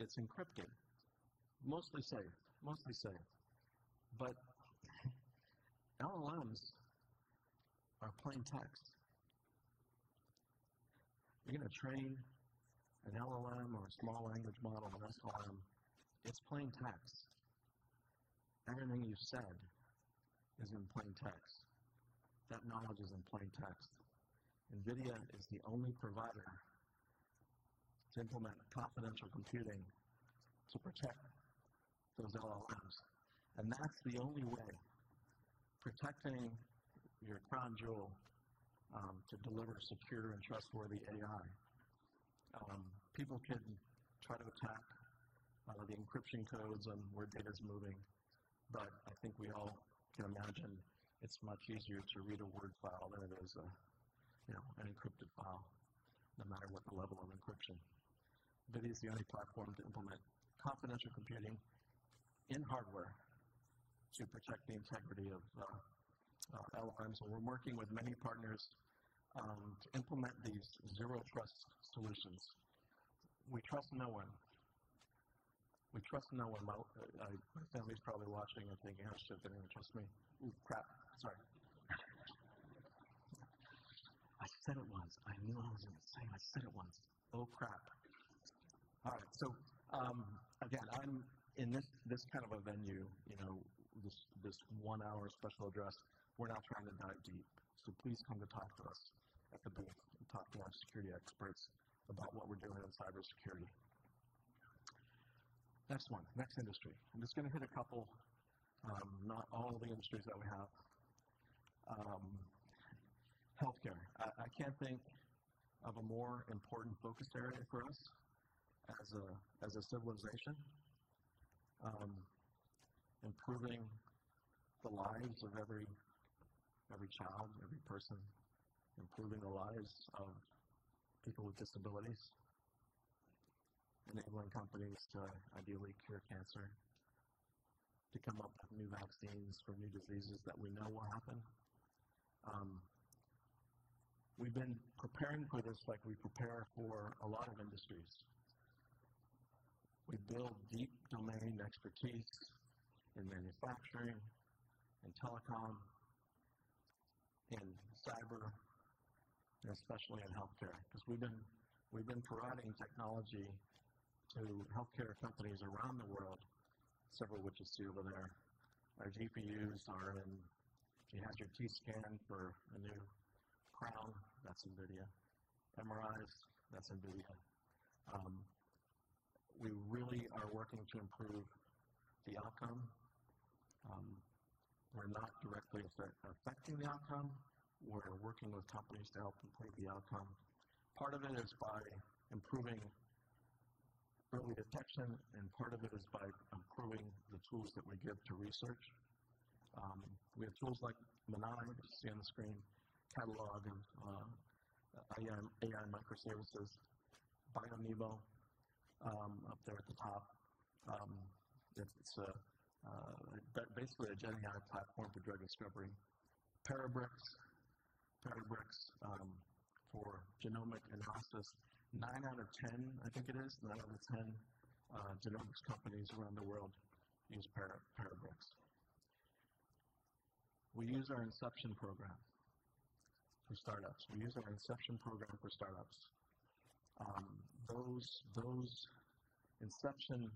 it's encrypted. Mostly safe. But LLMs are plain text. You're gonna train an LLM or a small language model, an SLM, it's plain text. Everything you've said is in plain text. That knowledge is in plain text. NVIDIA is the only provider to implement confidential computing to protect those LLMs, and that's the only way protecting your crown jewel to deliver secure and trustworthy AI. People can try to attack the encryption codes and where data is moving, but I think we all can imagine it's much easier to read a Word file than it is a, you know, an encrypted file, no matter what the level of encryption. NVIDIA is the only platform to implement confidential computing in hardware to protect the integrity of LLMs. So we're working with many partners to implement these zero trust solutions. We trust no one. We trust no one. My family's probably watching and thinking, "Ah, shit, they don't even trust me." Ooh, crap! Sorry. I said it once. I knew I was gonna say it. I said it once. Oh, crap. All right. So, again, I'm in this kind of a venue, you know, this one-hour special address. We're not trying to dive deep, so please come to talk to us at the booth and talk to our security experts about what we're doing on cybersecurity. Next one, next industry. I'm just gonna hit a couple, not all of the industries that we have. Healthcare. I can't think of a more important focus area for us as a, as a civilization. Improving the lives of every child, every person, improving the lives of people with disabilities, enabling companies to ideally cure cancer, to come up with new vaccines for new diseases that we know will happen. We've been preparing for this like we prepare for a lot of industries. We build deep domain expertise in manufacturing, in telecom, in cyber, and especially in healthcare, 'cause we've been providing technology to healthcare companies around the world, several of which you see over there. Our GPUs are in... If you had your CT scan for a new crown, that's NVIDIA. MRIs, that's NVIDIA. We really are working to improve the outcome. We're not directly affecting the outcome. We're working with companies to help improve the outcome. Part of it is by improving early detection, and part of it is by improving the tools that we give to research. We have tools like MONAI, which you see on the screen, Catalog and AI microservices by NeMo. Up there at the top, it's basically a gen AI platform for drug discovery. Parabricks for genomic analysis. Nine out of ten, I think it is, nine out of ten genomics companies around the world use Parabricks. We use our Inception program for startups. Those inception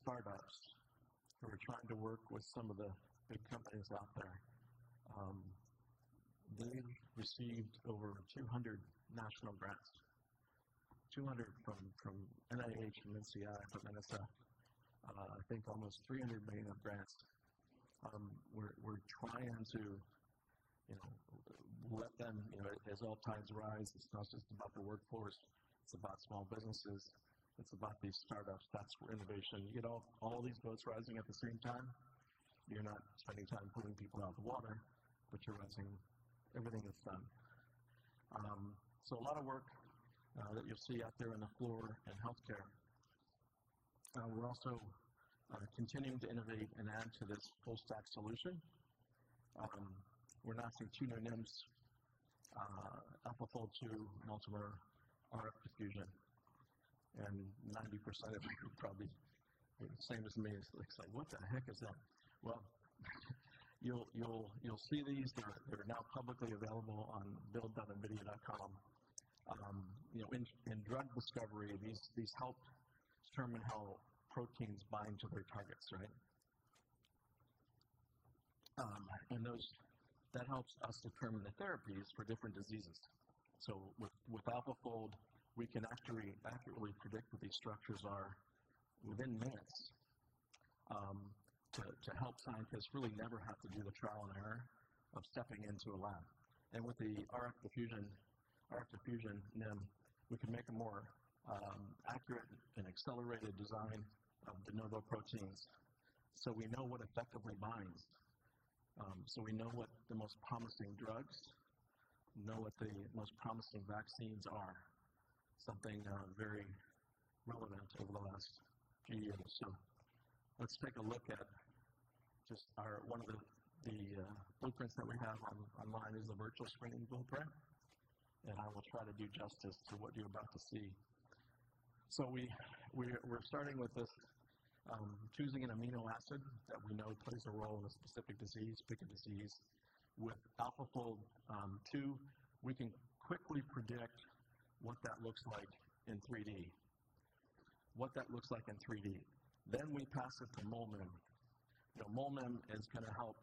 startups who are trying to work with some of the big companies out there, they've received over two hundred national grants, two hundred from NIH, from NCI, from NSF. I think almost three hundred million of grants. We're trying to, you know, let them, you know, as all tides rise, it's not just about the workforce, it's about small businesses, it's about these startups. That's where innovation. You get all these boats rising at the same time, you're not spending time pulling people out of the water, but you're raising everything that's done. So a lot of work that you'll see out there on the floor in healthcare. We're also continuing to innovate and add to this full stack solution. We're announcing two new NIM, AlphaFold2, Multimer, RFdiffusion, and 90% of you probably the same as me, it's like, "What the heck is that?" Well, you'll see these. They're now publicly available on build.nvidia.com. You know, in drug discovery, these help determine how proteins bind to their targets, right? And those, that helps us determine the therapies for different diseases. So with AlphaFold, we can actually accurately predict what these structures are within minutes, to help scientists really never have to do the trial and error of stepping into a lab. And with the RFdiffusion, RFdiffusion NIM, we can make a more accurate and accelerated design of de novo proteins. So we know what effectively binds, so we know what the most promising drugs, know what the most promising vaccines are, something very relevant over the last few years. So let's take a look at just our... One of the blueprints that we have online is the virtual screening blueprint, and I will try to do justice to what you're about to see. So we're starting with this choosing an amino acid that we know plays a role in a specific disease, pick a disease. With AlphaFold2, we can quickly predict what that looks like in 3D. Then we pass it to MolMIM. The MolMIM is gonna help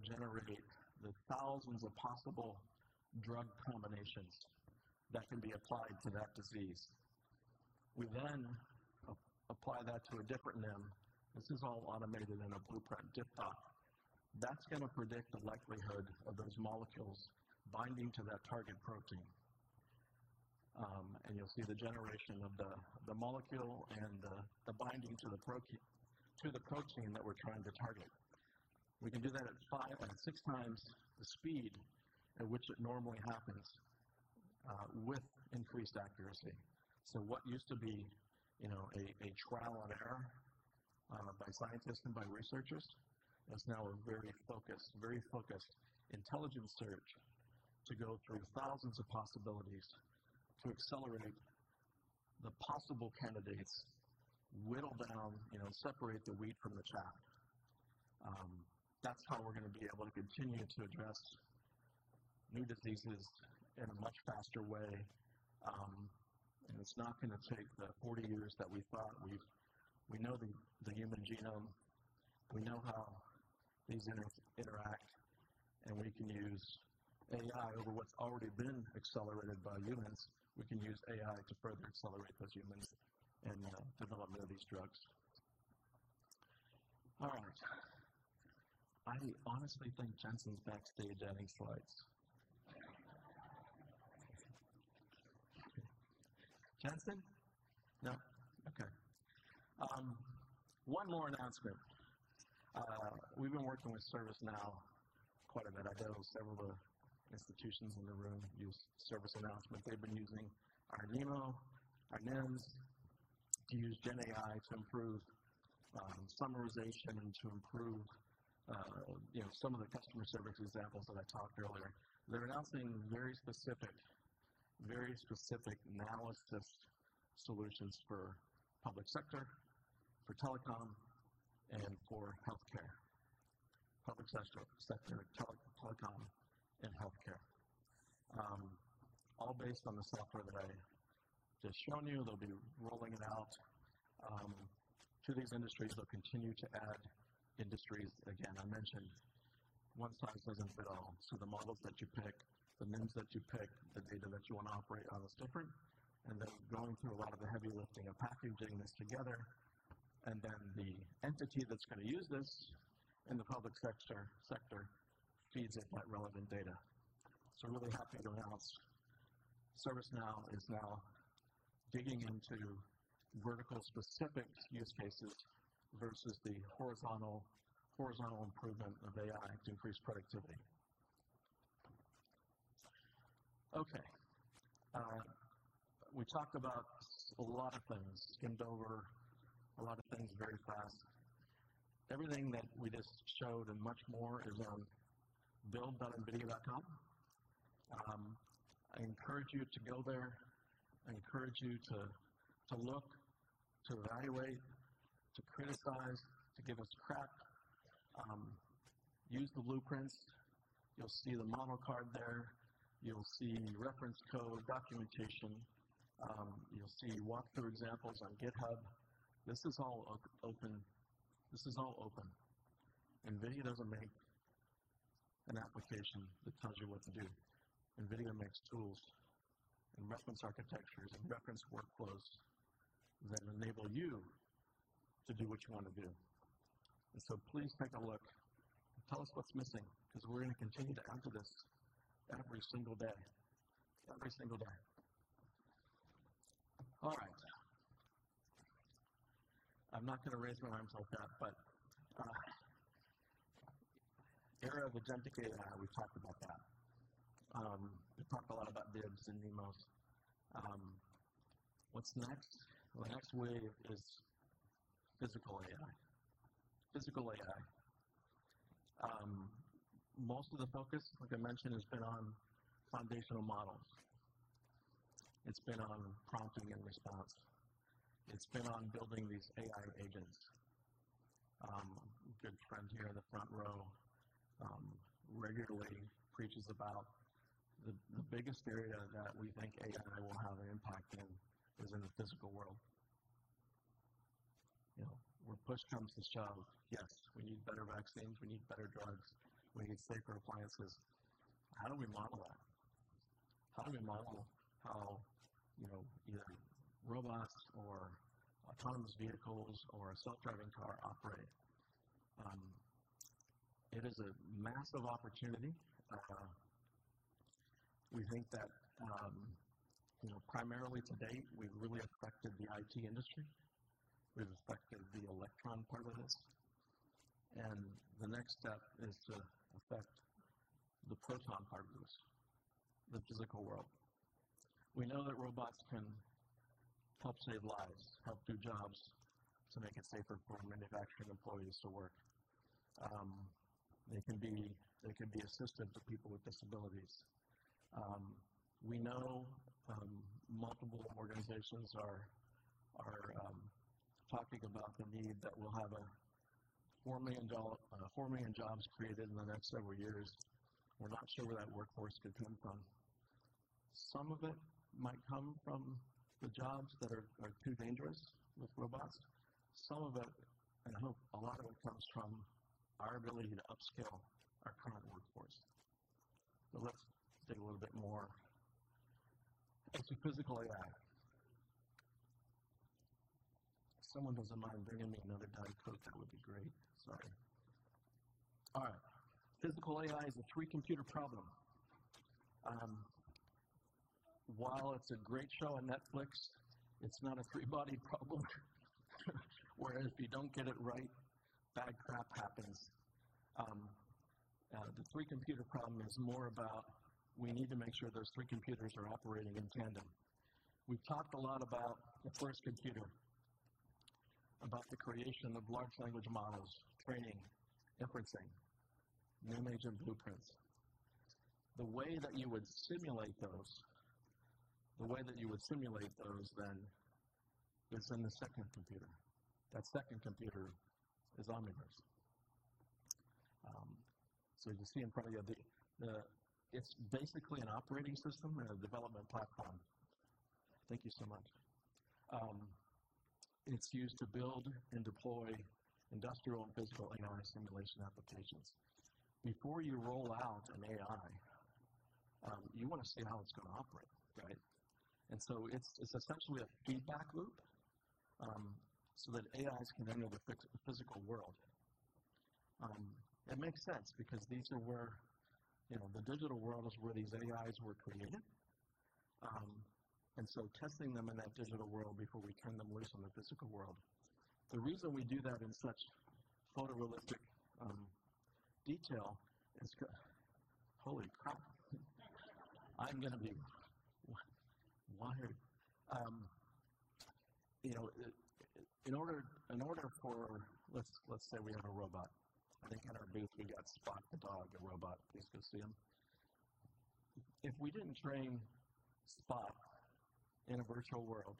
generate the thousands of possible drug combinations that can be applied to that disease. We then apply that to a different NIM. This is all automated in a blueprint, DiffDock. That's gonna predict the likelihood of those molecules binding to that target protein. And you'll see the generation of the molecule and the binding to the protein that we're trying to target. We can do that at five, at six times the speed at which it normally happens, with increased accuracy. So what used to be, you know, a trial and error, by scientists and by researchers, is now a very focused, very focused intelligence search to go through thousands of possibilities to accelerate the possible candidates, whittle down, you know, separate the wheat from the chaff. That's how we're gonna be able to continue to address new diseases in a much faster way. And it's not gonna take the 40 years that we thought. We know the human genome, we know how these interact, and we can use AI over what's already been accelerated by humans. We can use AI to further accelerate those humans in the development of these drugs. All right. I honestly think Jensen's backstage adding slides. Jensen? No. Okay. One more announcement. We've been working with ServiceNow quite a bit. I know several of the institutions in the room use ServiceNow. They've been using our NeMo, our NIM, to use gen AI to improve summarization and to improve, you know, some of the customer service examples that I talked earlier. They're announcing very specific, very specific analysis solutions for public sector, for telecom, and for healthcare. Public sector, telecom, and healthcare. All based on the software that I just shown you. They'll be rolling it out to these industries. They'll continue to add industries. Again, I mentioned one size doesn't fit all, so the models that you pick, the NIM that you pick, the data that you want to operate on is different. And then going through a lot of the heavy lifting of packaging this together, and then the entity that's gonna use this in the public sector feeds it that relevant data. So we're really happy to announce ServiceNow is now digging into vertical specific use cases versus the horizontal improvement of AI to increase productivity.... Okay, we talked about a lot of things, skimmed over a lot of things very fast. Everything that we just showed and much more is on build.nvidia.com. I encourage you to go there. I encourage you to, to look, to evaluate, to criticize, to give us crap. Use the blueprints. You'll see the model card there. You'll see reference code, documentation. You'll see walk-through examples on GitHub. This is all open. This is all open. NVIDIA doesn't make an application that tells you what to do. NVIDIA makes tools and reference architectures and reference workflows that enable you to do what you want to do. And so please take a look and tell us what's missing, 'cause we're gonna continue to add to this every single day. Every single day. All right. I'm not gonna raise my arms like that, but era of Agentic AI, we've talked about that. We talked a lot about NIM and NeMo. What's next? The next wave is physical AI. Physical AI. Most of the focus, like I mentioned, has been on foundational models. It's been on prompting and response. It's been on building these AI agents. Good friend here in the front row regularly preaches about the biggest area that we think AI will have an impact in is in the physical world. You know, where push comes to shove, yes, we need better vaccines, we need better drugs, we need safer appliances. How do we model that? How do we model how, you know, either robots or autonomous vehicles or a self-driving car operate? It is a massive opportunity. We think that, you know, primarily to date, we've really affected the IT industry. We've affected the electron part of this, and the next step is to affect the proton part of this, the physical world. We know that robots can help save lives, help do jobs to make it safer for manufacturing employees to work. They can be assistant to people with disabilities. We know multiple organizations are talking about the need that we'll have four million jobs created in the next several years. We're not sure where that workforce could come from. Some of it might come from the jobs that are too dangerous with robots. Some of it, and I hope a lot of it, comes from our ability to upskill our current workforce. But let's dig a little bit more into physical AI. If someone doesn't mind bringing me another diet Coke, that would be great. Sorry. All right. Physical AI is a three-computer problem. While it's a great show on Netflix, it's not a three-body problem, where if you don't get it right, bad crap happens. The three-computer problem is more about we need to make sure those three computers are operating in tandem. We've talked a lot about the first computer, about the creation of large language models, training, inferencing, new major blueprints. The way that you would simulate those, the way that you would simulate those then, is in the second computer. That second computer is Omniverse. So you see in front of you, the... It's basically an operating system and a development platform. Thank you so much. It's used to build and deploy industrial and physical AI simulation applications. Before you roll out an AI, you wanna see how it's gonna operate, right? And so it's essentially a feedback loop, so that AIs can then go to fix the physical world. It makes sense because these are where, you know, the digital world is where these AIs were created. And so testing them in that digital world before we turn them loose on the physical world. The reason we do that in such photorealistic detail is. Holy crap! I'm gonna be water. You know, in order for... Let's say we have a robot. I think in our booth, we got Spot the dog, the robot. Please go see him. If we didn't train Spot in a virtual world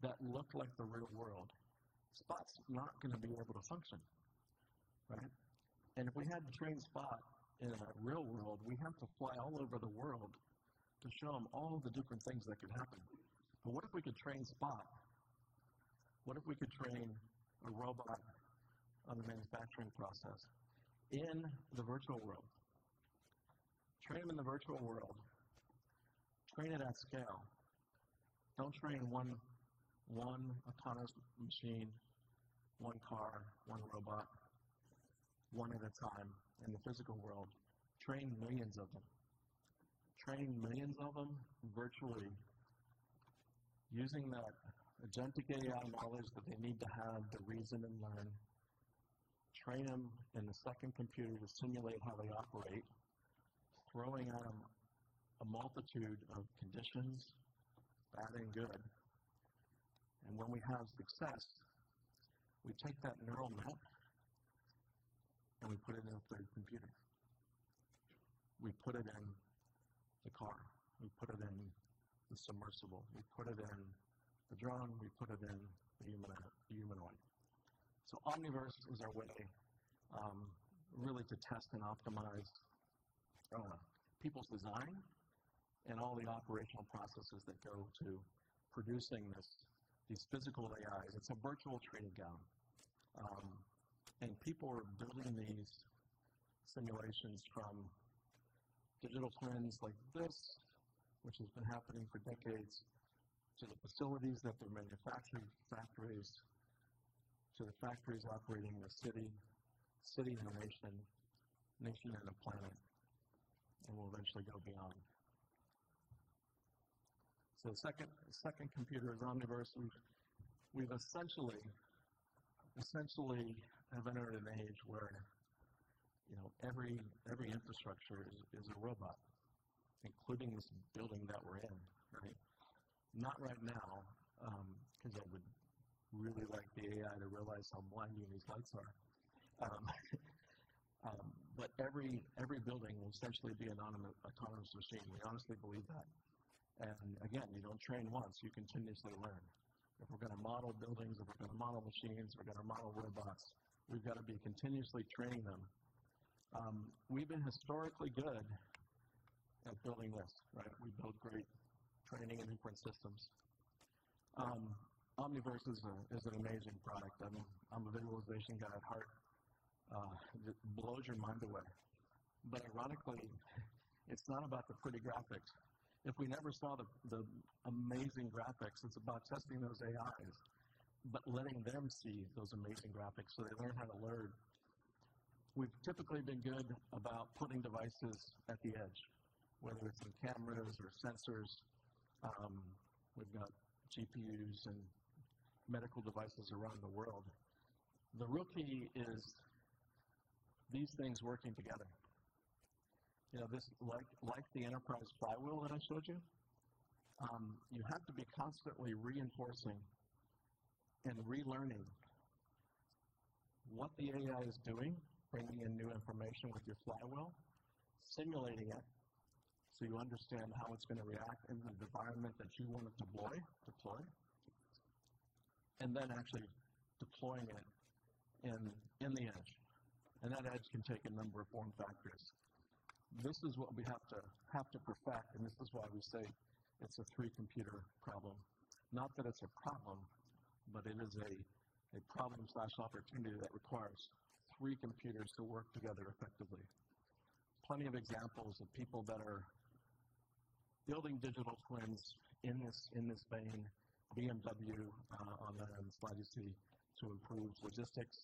that looked like the real world, Spot's not gonna be able to function, right? And if we had to train Spot in a real world, we'd have to fly all over the world to show him all the different things that could happen. But what if we could train Spot? What if we could train a robot on the manufacturing process in the virtual world? Train him in the virtual world. Train it at scale. Don't train one autonomous machine, one car, one robot, one at a time in the physical world. Train millions of them. Train millions of them virtually, using that agentic AI knowledge that they need to have to reason and learn, train them in the second computer to simulate how they operate, throwing at them a multitude of conditions, bad and good. And when we have success, we take that neural net, and we put it in the third computer. We put it in the car, we put it in the submersible, we put it in the drone, we put it in the human, the humanoid. So Omniverse is our way really to test and optimize, I don't know, people's design and all the operational processes that go to producing this, these physical AIs. It's a virtual training ground. And people are building these simulations from digital twins like this, which has been happening for decades, to the facilities that they're manufacturing, factories, to the factories operating in a city, city in a nation, nation in a planet, and will eventually go beyond. So the second computer is Omniverse, and we've essentially have entered an age where, you know, every infrastructure is a robot, including this building that we're in, right? Not right now, 'cause I would really like the AI to realize how blinding these lights are. But every building will essentially be an autonomous machine. We honestly believe that. And again, you don't train once, you continuously learn. If we're gonna model buildings, if we're gonna model machines, we're gonna model robots, we've got to be continuously training them. We've been historically good at building this, right? We build great training and inference systems. Omniverse is an amazing product. I mean, I'm a visualization guy at heart. It blows your mind away. But ironically, it's not about the pretty graphics. If we never saw the amazing graphics, it's about testing those AIs, but letting them see those amazing graphics so they learn how to learn. We've typically been good about putting devices at the edge, whether it's in cameras or sensors. We've got GPUs and medical devices around the world. The real key is these things working together. You know, this, like, the enterprise flywheel that I showed you, you have to be constantly reinforcing and relearning what the AI is doing, bringing in new information with your flywheel, simulating it so you understand how it's gonna react in the environment that you want to deploy, and then actually deploying it in the edge. And that edge can take a number of form factors. This is what we have to perfect, and this is why we say it's a three-computer problem. Not that it's a problem, but it is a problem/opportunity that requires three computers to work together effectively. Plenty of examples of people that are building digital twins in this vein. BMW, on the slide you see, to improve logistics,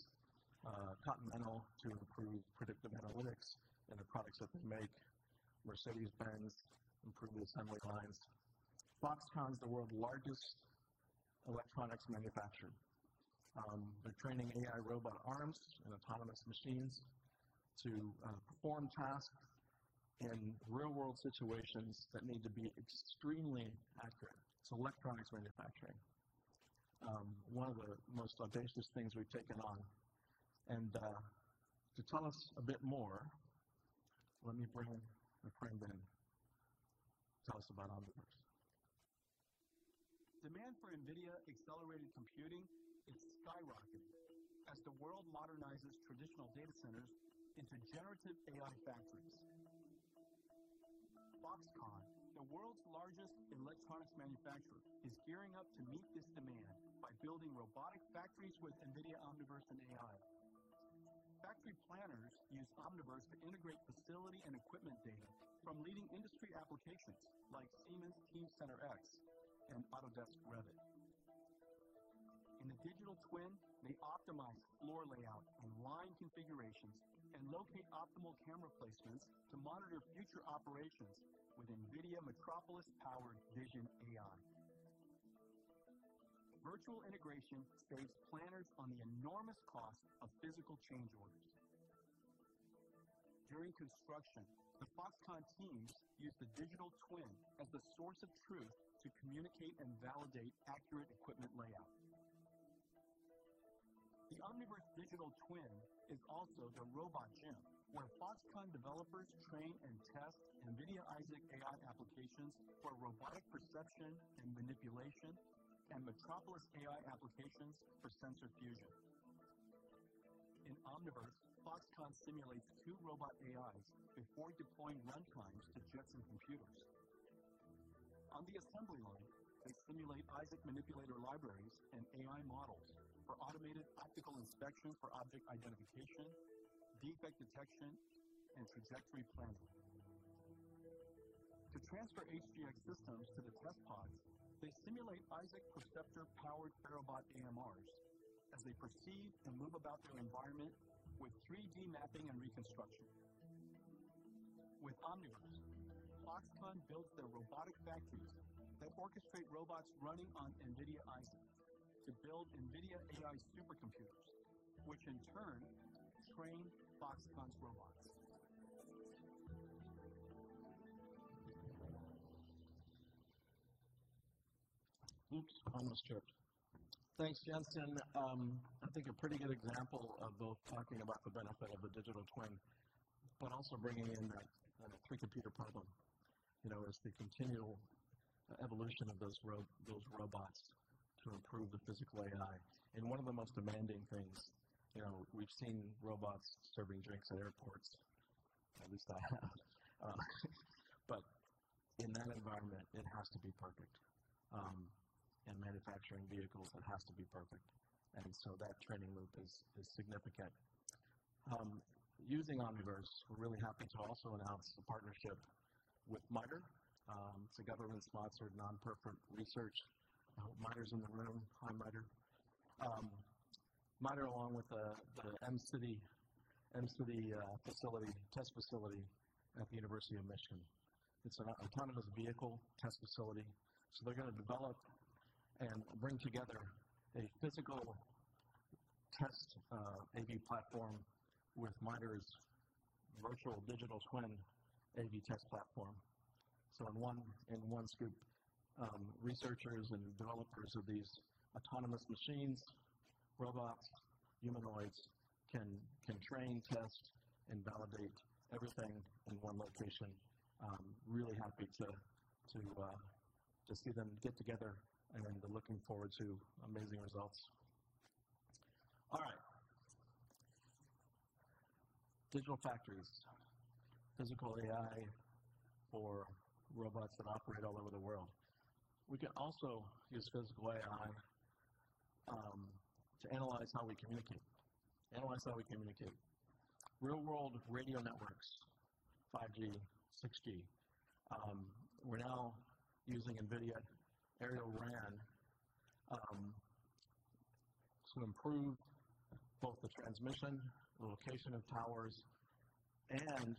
Continental to improve predictive analytics in the products that they make. Mercedes-Benz, improve the assembly lines. Foxconn is the world's largest electronics manufacturer. They're training AI robot arms and autonomous machines to perform tasks in real-world situations that need to be extremely accurate. It's electronics manufacturing. One of the most audacious things we've taken on. And, to tell us a bit more, let me bring my friend in. Tell us about Omniverse. Demand for NVIDIA accelerated computing is skyrocketing as the world modernizes traditional data centers into generative AI factories. Foxconn, the world's largest electronics manufacturer, is gearing up to meet this demand by building robotic factories with NVIDIA Omniverse and AI. Factory planners use Omniverse to integrate facility and equipment data from leading industry applications like Siemens Teamcenter X and Autodesk Revit. In the digital twin, they optimize floor layout and line configurations and locate optimal camera placements to monitor future operations with NVIDIA Metropolis-powered vision AI. Virtual integration saves planners on the enormous cost of physical change orders. During construction, the Foxconn teams use the digital twin as the source of truth to communicate and validate accurate equipment layout. The Omniverse digital twin is also the robot gym, where Foxconn developers train and test NVIDIA Isaac AI applications for robotic perception and manipulation, and Metropolis AI applications for sensor fusion. In Omniverse, Foxconn simulates two robot AIs before deploying runtimes to Jetson computers. On the assembly line, they simulate Isaac manipulator libraries and AI models for automated optical inspection for object identification, defect detection, and trajectory planning. To transfer HGX systems to the test pods, they simulate Isaac Perceptor-powered Terabot AMRs as they perceive and move about their environment with 3D mapping and reconstruction. With Omniverse, Foxconn built their robotic factories that orchestrate robots running on NVIDIA Isaac to build NVIDIA AI supercomputers, which in turn train Foxconn's robots. Oops, I almost chirped. Thanks, Jensen. I think a pretty good example of both talking about the benefit of a digital twin, but also bringing in that three-computer problem, you know, is the continual evolution of those robots to improve the physical AI. And one of the most demanding things, you know, we've seen robots serving drinks at airports, at least I have. But in that environment, it has to be perfect. In manufacturing vehicles, it has to be perfect, and so that training loop is significant. Using Omniverse, we're really happy to also announce the partnership with MITRE. It's a government-sponsored, non-profit research. I hope MITRE's in the room. Hi, MITRE. MITRE, along with the Mcity test facility at the University of Michigan. It's an autonomous vehicle test facility. So they're gonna develop and bring together a physical test AV platform with MITRE's virtual digital twin AV test platform. So in one scoop, researchers and developers of these autonomous machines, robots, humanoids, can train, test, and validate everything in one location. Really happy to see them get together, and we're looking forward to amazing results. All right. Digital factories, physical AI for robots that operate all over the world. We can also use physical AI to analyze how we communicate. Analyze how we communicate. Real-world radio networks, 5G, 6G. We're now using NVIDIA Aerial RAN to improve both the transmission, the location of towers, and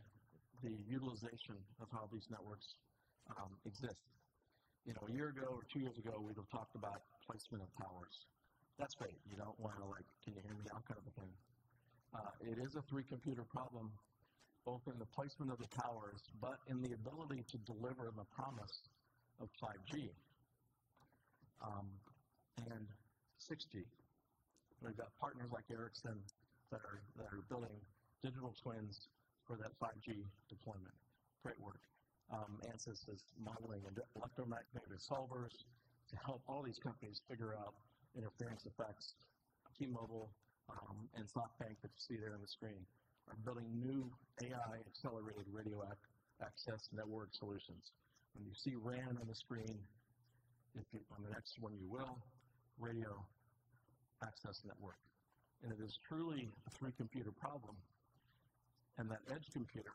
the utilization of how these networks exist. You know, a year ago or two years ago, we would have talked about placement of towers. That's great. You don't want to like, "Can you hear me now?" kind of a thing. It is a three-computer problem, both in the placement of the towers, but in the ability to deliver the promise of 5G and 6G. We've got partners like Ericsson that are building digital twins for that 5G deployment. Great work. Ansys is modeling electromagnetic solvers to help all these companies figure out interference effects. T-Mobile and SoftBank that you see there on the screen are building new AI-accelerated radio access network solutions. When you see RAN on the screen, on the next one you will, Radio Access Network, and it is truly a three-computer problem, and that edge computer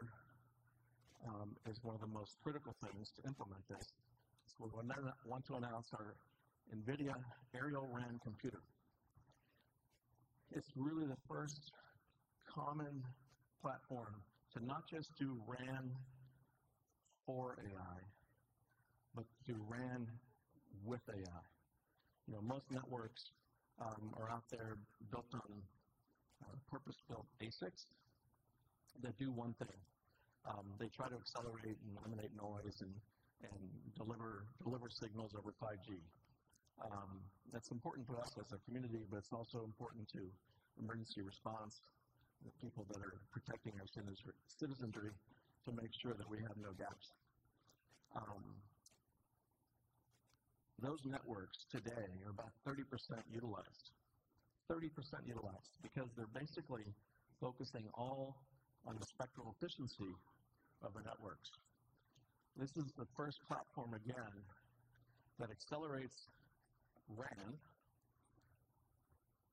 is one of the most critical things to implement this. So we're gonna want to announce our NVIDIA Aerial RAN computer. It's really the first common platform to not just do RAN for AI, but do RAN with AI. You know, most networks are out there built on purpose-built ASICs that do one thing. They try to accelerate and eliminate noise and deliver signals over 5G. That's important to us as a community, but it's also important to emergency response, the people that are protecting our citizens, citizenry, to make sure that we have no gaps. Those networks today are about 30% utilized. 30% utilized, because they're basically focusing all on the spectral efficiency of the networks. This is the first platform, again, that accelerates RAN,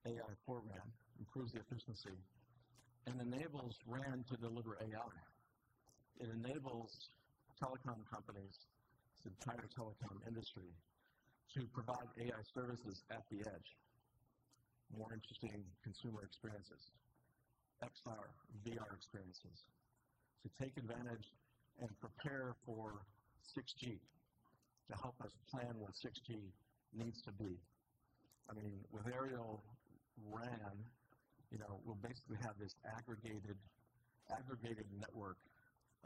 AI for RAN, improves the efficiency, and enables RAN to deliver AI. It enables telecom companies, the entire telecom industry, to provide AI services at the edge. More interesting consumer experiences, XR, VR experiences, to take advantage and prepare for 6G, to help us plan what 6G needs to be. I mean, with Aerial RAN, you know, we'll basically have this aggregated network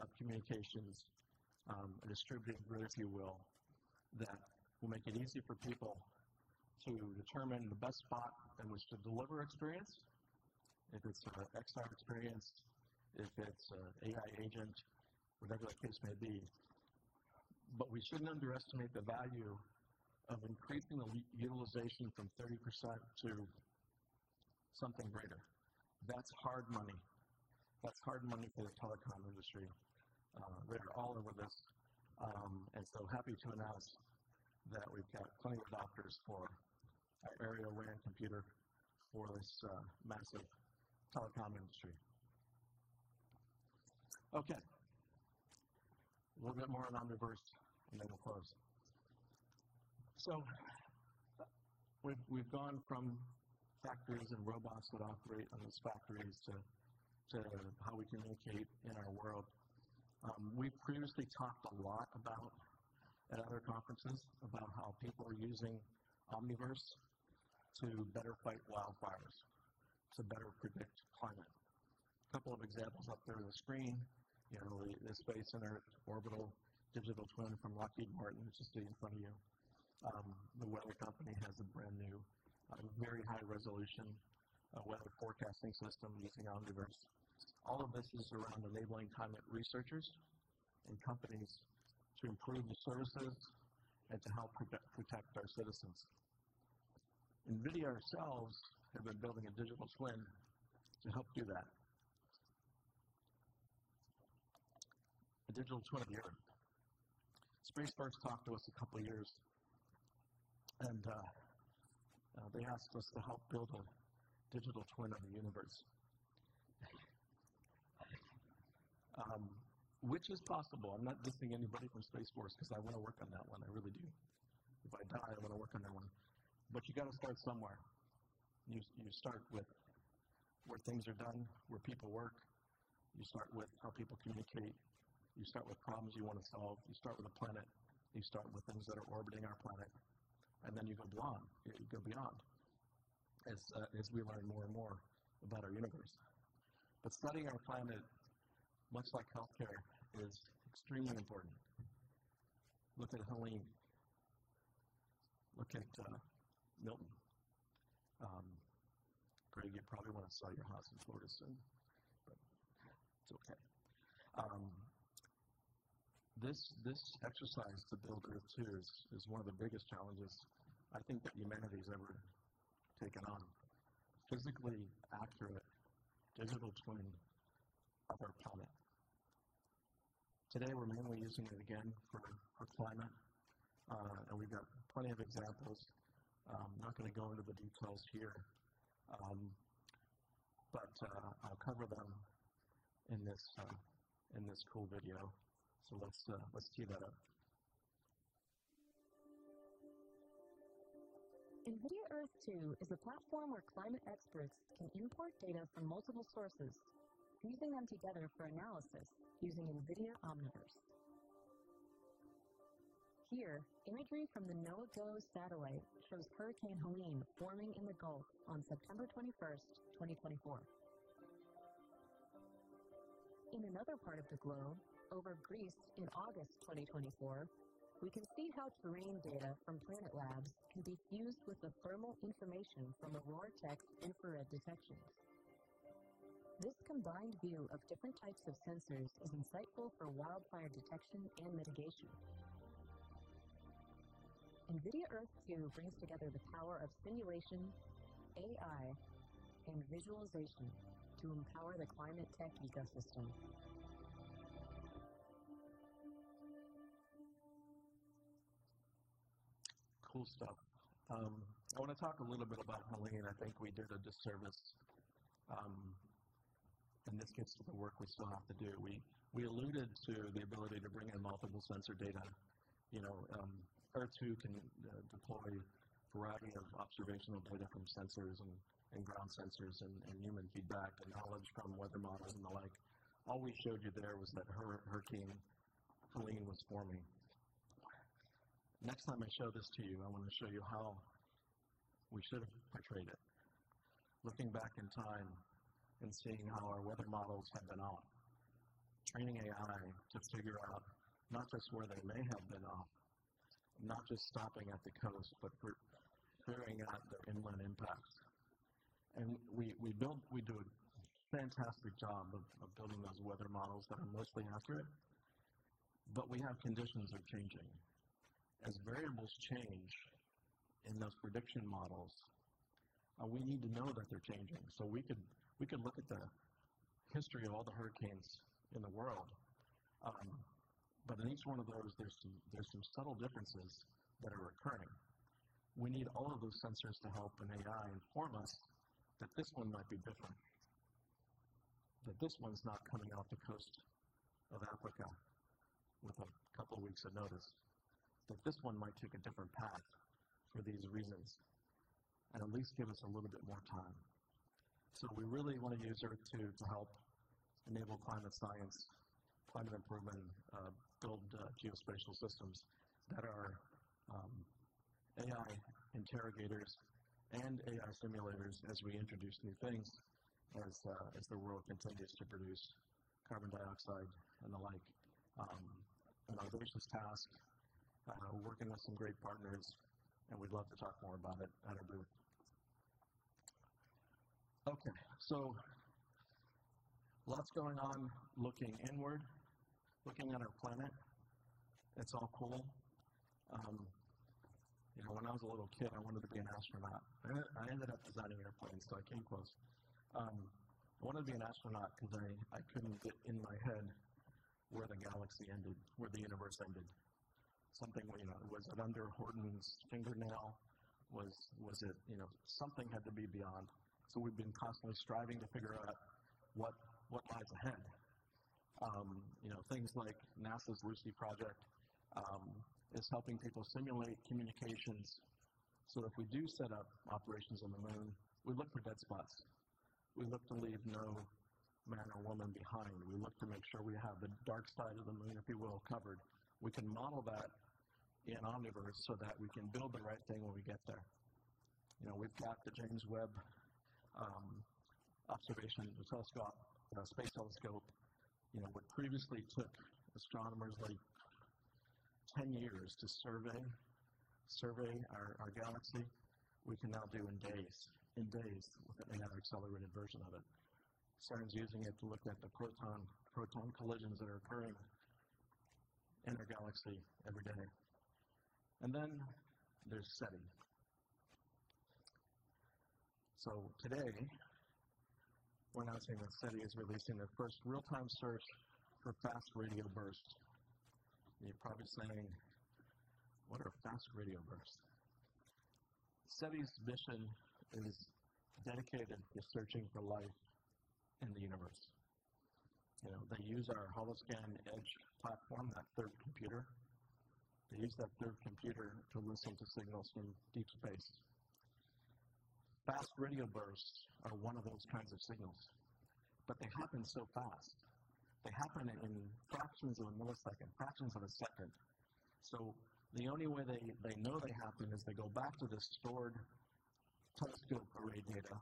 of communications, a distributed grid, if you will, that will make it easy for people to determine the best spot in which to deliver experience, if it's an XR experience, if it's an AI agent, whatever the case may be. But we shouldn't underestimate the value of increasing the utilization from 30% to something greater. That's hard money. That's hard money for the telecom industry. They're all in with this. And so happy to announce that we've got plenty of adopters for our Aerial RAN computer for this massive telecom industry. Okay. A little bit more on Omniverse, and then we'll close. So, we've gone from factories and robots that operate in those factories to how we communicate in our world. We previously talked a lot about, at other conferences, about how people are using Omniverse to better fight wildfires, to better predict climate. A couple of examples up there on the screen, you know, the Space Center Orbital digital twin from Lockheed Martin, which is sitting in front of you. The Weather Company has a brand new, very high resolution, weather forecasting system using Omniverse. All of this is around enabling climate researchers and companies to improve the services and to help protect our citizens. NVIDIA ourselves have been building a digital twin to help do that. A digital twin of the Earth. Space Force talked to us a couple of years, and they asked us to help build a digital twin of the universe. Which is possible. I'm not dissing anybody from Space Force because I wanna work on that one. I really do. If I die, I wanna work on that one. But you got to start somewhere. You start with where things are done, where people work. You start with how people communicate. You start with problems you want to solve. You start with a planet. You start with things that are orbiting our planet, and then you go beyond as we learn more and more about our universe. But studying our climate, much like healthcare, is extremely important. Look at Helene. Look at Milton. Greg, you probably want to sell your house in Florida soon, but it's okay. This exercise to build Earth-2 is one of the biggest challenges I think that humanity's ever taken on. Physically accurate, digital twin of our planet. Today, we're mainly using it again for climate, and we've got plenty of examples. I'm not gonna go into the details here, but I'll cover them in this cool video. So let's tee that up. NVIDIA Earth-2 is a platform where climate experts can import data from multiple sources, fusing them together for analysis using NVIDIA Omniverse. Here, imagery from the NOAA GOES satellite shows Hurricane Helene forming in the Gulf of Mexico on September twenty-first, twenty twenty-four. In another part of the globe, over Greece in August twenty twenty-four, we can see how terrain data from Planet Labs can be fused with the thermal information from OroraTech's infrared detections. This combined view of different types of sensors is insightful for wildfire detection and mitigation. NVIDIA Earth-2 brings together the power of simulation, AI, and visualization to empower the climate tech ecosystem. Cool stuff. I wanna talk a little bit about Helene. I think we did a disservice, in this case, to the work we still have to do. We alluded to the ability to bring in multiple sensor data. You know, Earth-2 can deploy a variety of observational data from sensors and ground sensors and human feedback and knowledge from weather models and the like. All we showed you there was that Hurricane Helene was forming. Next time I show this to you, I want to show you how we should have portrayed it. Looking back in time and seeing how our weather models have been off. Training AI to figure out not just where they may have been off, not just stopping at the coast, but for clearing out the inland impacts. We build. We do a fantastic job of building those weather models that are mostly accurate, but we have conditions are changing. As variables change in those prediction models, we need to know that they're changing. We could look at the history of all the hurricanes in the world, but in each one of those, there's some subtle differences that are occurring. We need all of those sensors to help an AI inform us that this one might be different, that this one's not coming off the coast of Africa with a couple weeks of notice, that this one might take a different path for these reasons, and at least give us a little bit more time. So we really want to use Earth-2 to help enable climate science, climate improvement, build geospatial systems that are AI interrogators and AI simulators as we introduce new things, as the world continues to produce carbon dioxide and the like. An ambitious task, working with some great partners, and we'd love to talk more about it at a booth. Okay, so lots going on, looking inward, looking at our planet. It's all cool. You know, when I was a little kid, I wanted to be an astronaut. I ended up designing airplanes, so I came close. I wanted to be an astronaut 'cause I couldn't get in my head where the galaxy ended, where the universe ended. Something, you know, was it under Horton's fingernail? Was it, you know, something had to be beyond. So we've been constantly striving to figure out what lies ahead. You know, things like NASA's Lucy project is helping people simulate communications. So if we do set up operations on the moon, we look for dead spots. We look to leave no man or woman behind. We look to make sure we have the dark side of the moon, if you will, covered. We can model that in Omniverse so that we can build the right thing when we get there. You know, we've got the James Webb Space Telescope. You know, what previously took astronomers like 10 years to survey our galaxy, we can now do in days with another accelerated version of it. CERN's using it to look at the proton collisions that are occurring in our galaxy every day. Then there's SETI. So today, we're announcing that SETI is releasing their first real-time search for fast radio bursts. And you're probably saying, "What are fast radio bursts?" SETI's mission is dedicated to searching for life in the universe. You know, they use our Holoscan Edge platform, that third computer. They use that third computer to listen to signals from deep space. Fast radio bursts are one of those kinds of signals, but they happen so fast. They happen in fractions of a millisecond, fractions of a second. So the only way they know they happen is they go back to the stored telescope array data.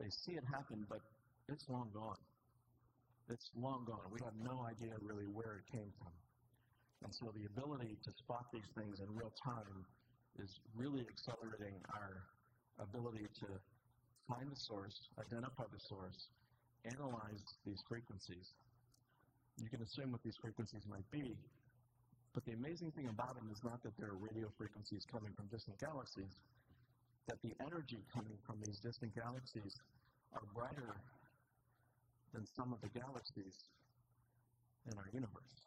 They see it happen, but it's long gone. It's long gone. We have no idea really where it came from. And so the ability to spot these things in real time is really accelerating our ability to find the source, identify the source, analyze these frequencies. You can assume what these frequencies might be, but the amazing thing about them is not that they are radio frequencies coming from distant galaxies, that the energy coming from these distant galaxies are brighter than some of the galaxies in our universe.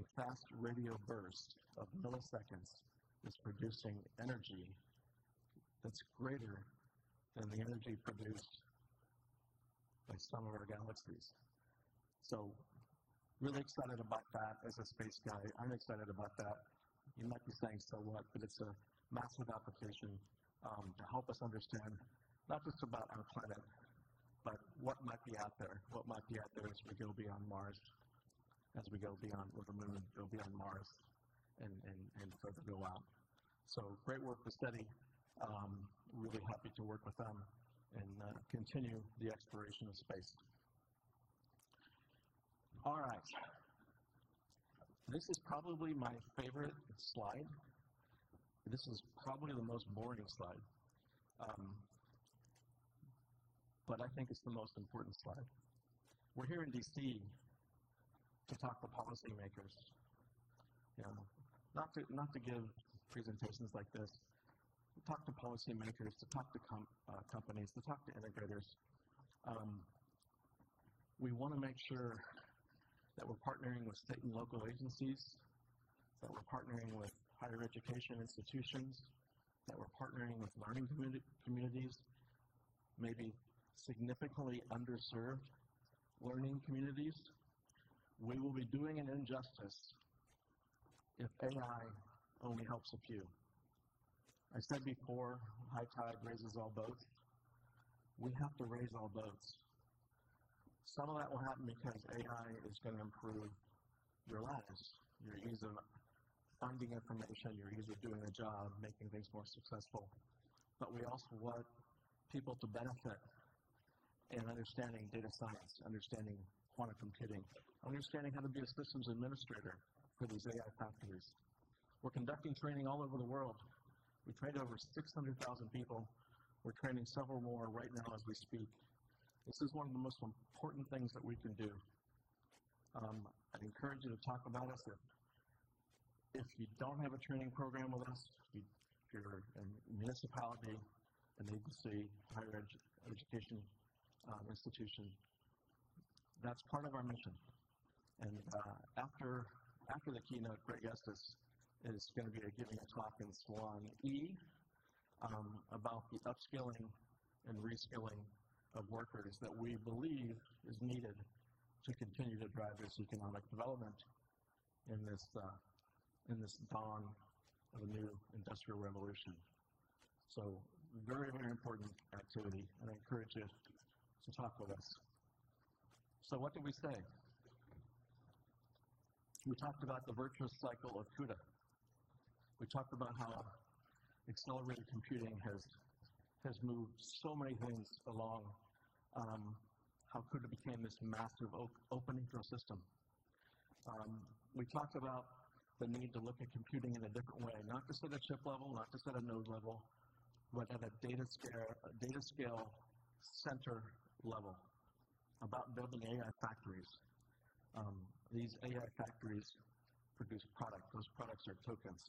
A fast radio burst of milliseconds is producing energy that's greater than the energy produced by some of our galaxies. So really excited about that. As a space guy, I'm excited about that. You might be saying, "So what?" But it's a massive application to help us understand not just about our planet, but what might be out there, what might be out there as we go beyond Mars, as we go beyond the moon, go beyond Mars, and further go out. So great work with SETI. Really happy to work with them and continue the exploration of space. All right. This is probably my favorite slide. This is probably the most boring slide, but I think it's the most important slide. We're here in DC to talk to policymakers, you know, not to, not to give presentations like this. To talk to policymakers, to talk to companies, to talk to integrators. We wanna make sure that we're partnering with state and local agencies, that we're partnering with higher education institutions, that we're partnering with learning communities, maybe significantly underserved learning communities. We will be doing an injustice if AI only helps a few. I said before, high tide raises all boats. We have to raise all boats. Some of that will happen because AI is gonna improve your lives, your ease of finding information, your ease of doing a job, making things more successful. But we also want people to benefit in understanding data science, understanding quantum computing, understanding how to be a systems administrator for these AI factories. We're conducting training all over the world. We trained over six hundred thousand people. We're training several more right now as we speak. This is one of the most important things that we can do. I'd encourage you to talk about us if you don't have a training program with us, if you're a municipality, an agency, higher education institution, that's part of our mission. And after the keynote, Greg Estes is gonna be giving a talk in Salon E about the upskilling and reskilling of workers that we believe is needed to continue to drive this economic development in this dawn of a new industrial revolution. So very, very important activity, and I encourage you to talk with us. So what did we say? We talked about the virtuous cycle of CUDA. We talked about how accelerated computing has moved so many things along, how CUDA became this massive open ecosystem. We talked about the need to look at computing in a different way, not just at a chip level, not just at a node level, but at a data scale, data scale center level, about building AI factories. These AI factories produce product. Those products are tokens.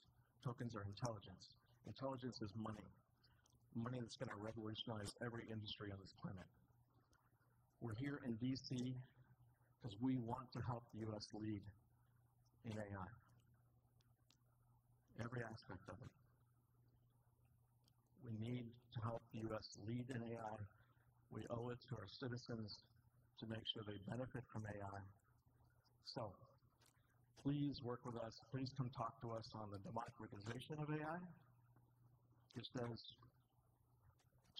Tokens are intelligence. Intelligence is money, money that's gonna revolutionize every industry on this planet. We're here in DC 'cause we want to help the U.S. lead in AI, every aspect of it. We need to help the U.S. lead in AI. We owe it to our citizens to make sure they benefit from AI. So please work with us. Please come talk to us on the democratization of AI, just as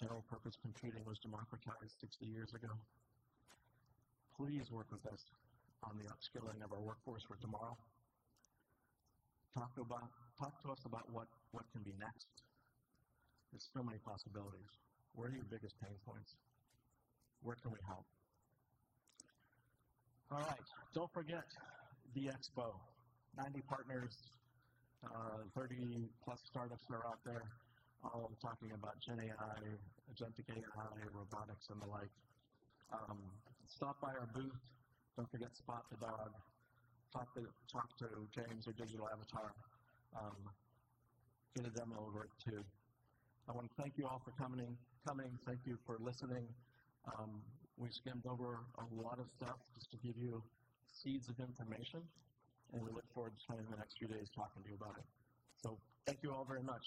general purpose computing was democratized 60 years ago. Please work with us on the upskilling of our workforce for tomorrow. Talk to us about what can be next. There's so many possibilities. Where are your biggest pain points? Where can we help? All right. Don't forget the expo. 90 partners, 30-plus startups are out there, all talking about gen AI, agentic AI, robotics, and the like. Stop by our booth. Don't forget to spot the dog. Talk to James, our digital avatar. Get a demo of it, too. I wanna thank you all for coming. Thank you for listening. We skimmed over a lot of stuff just to give you seeds of information, and we look forward to spending the next few days talking to you about it. So thank you all very much.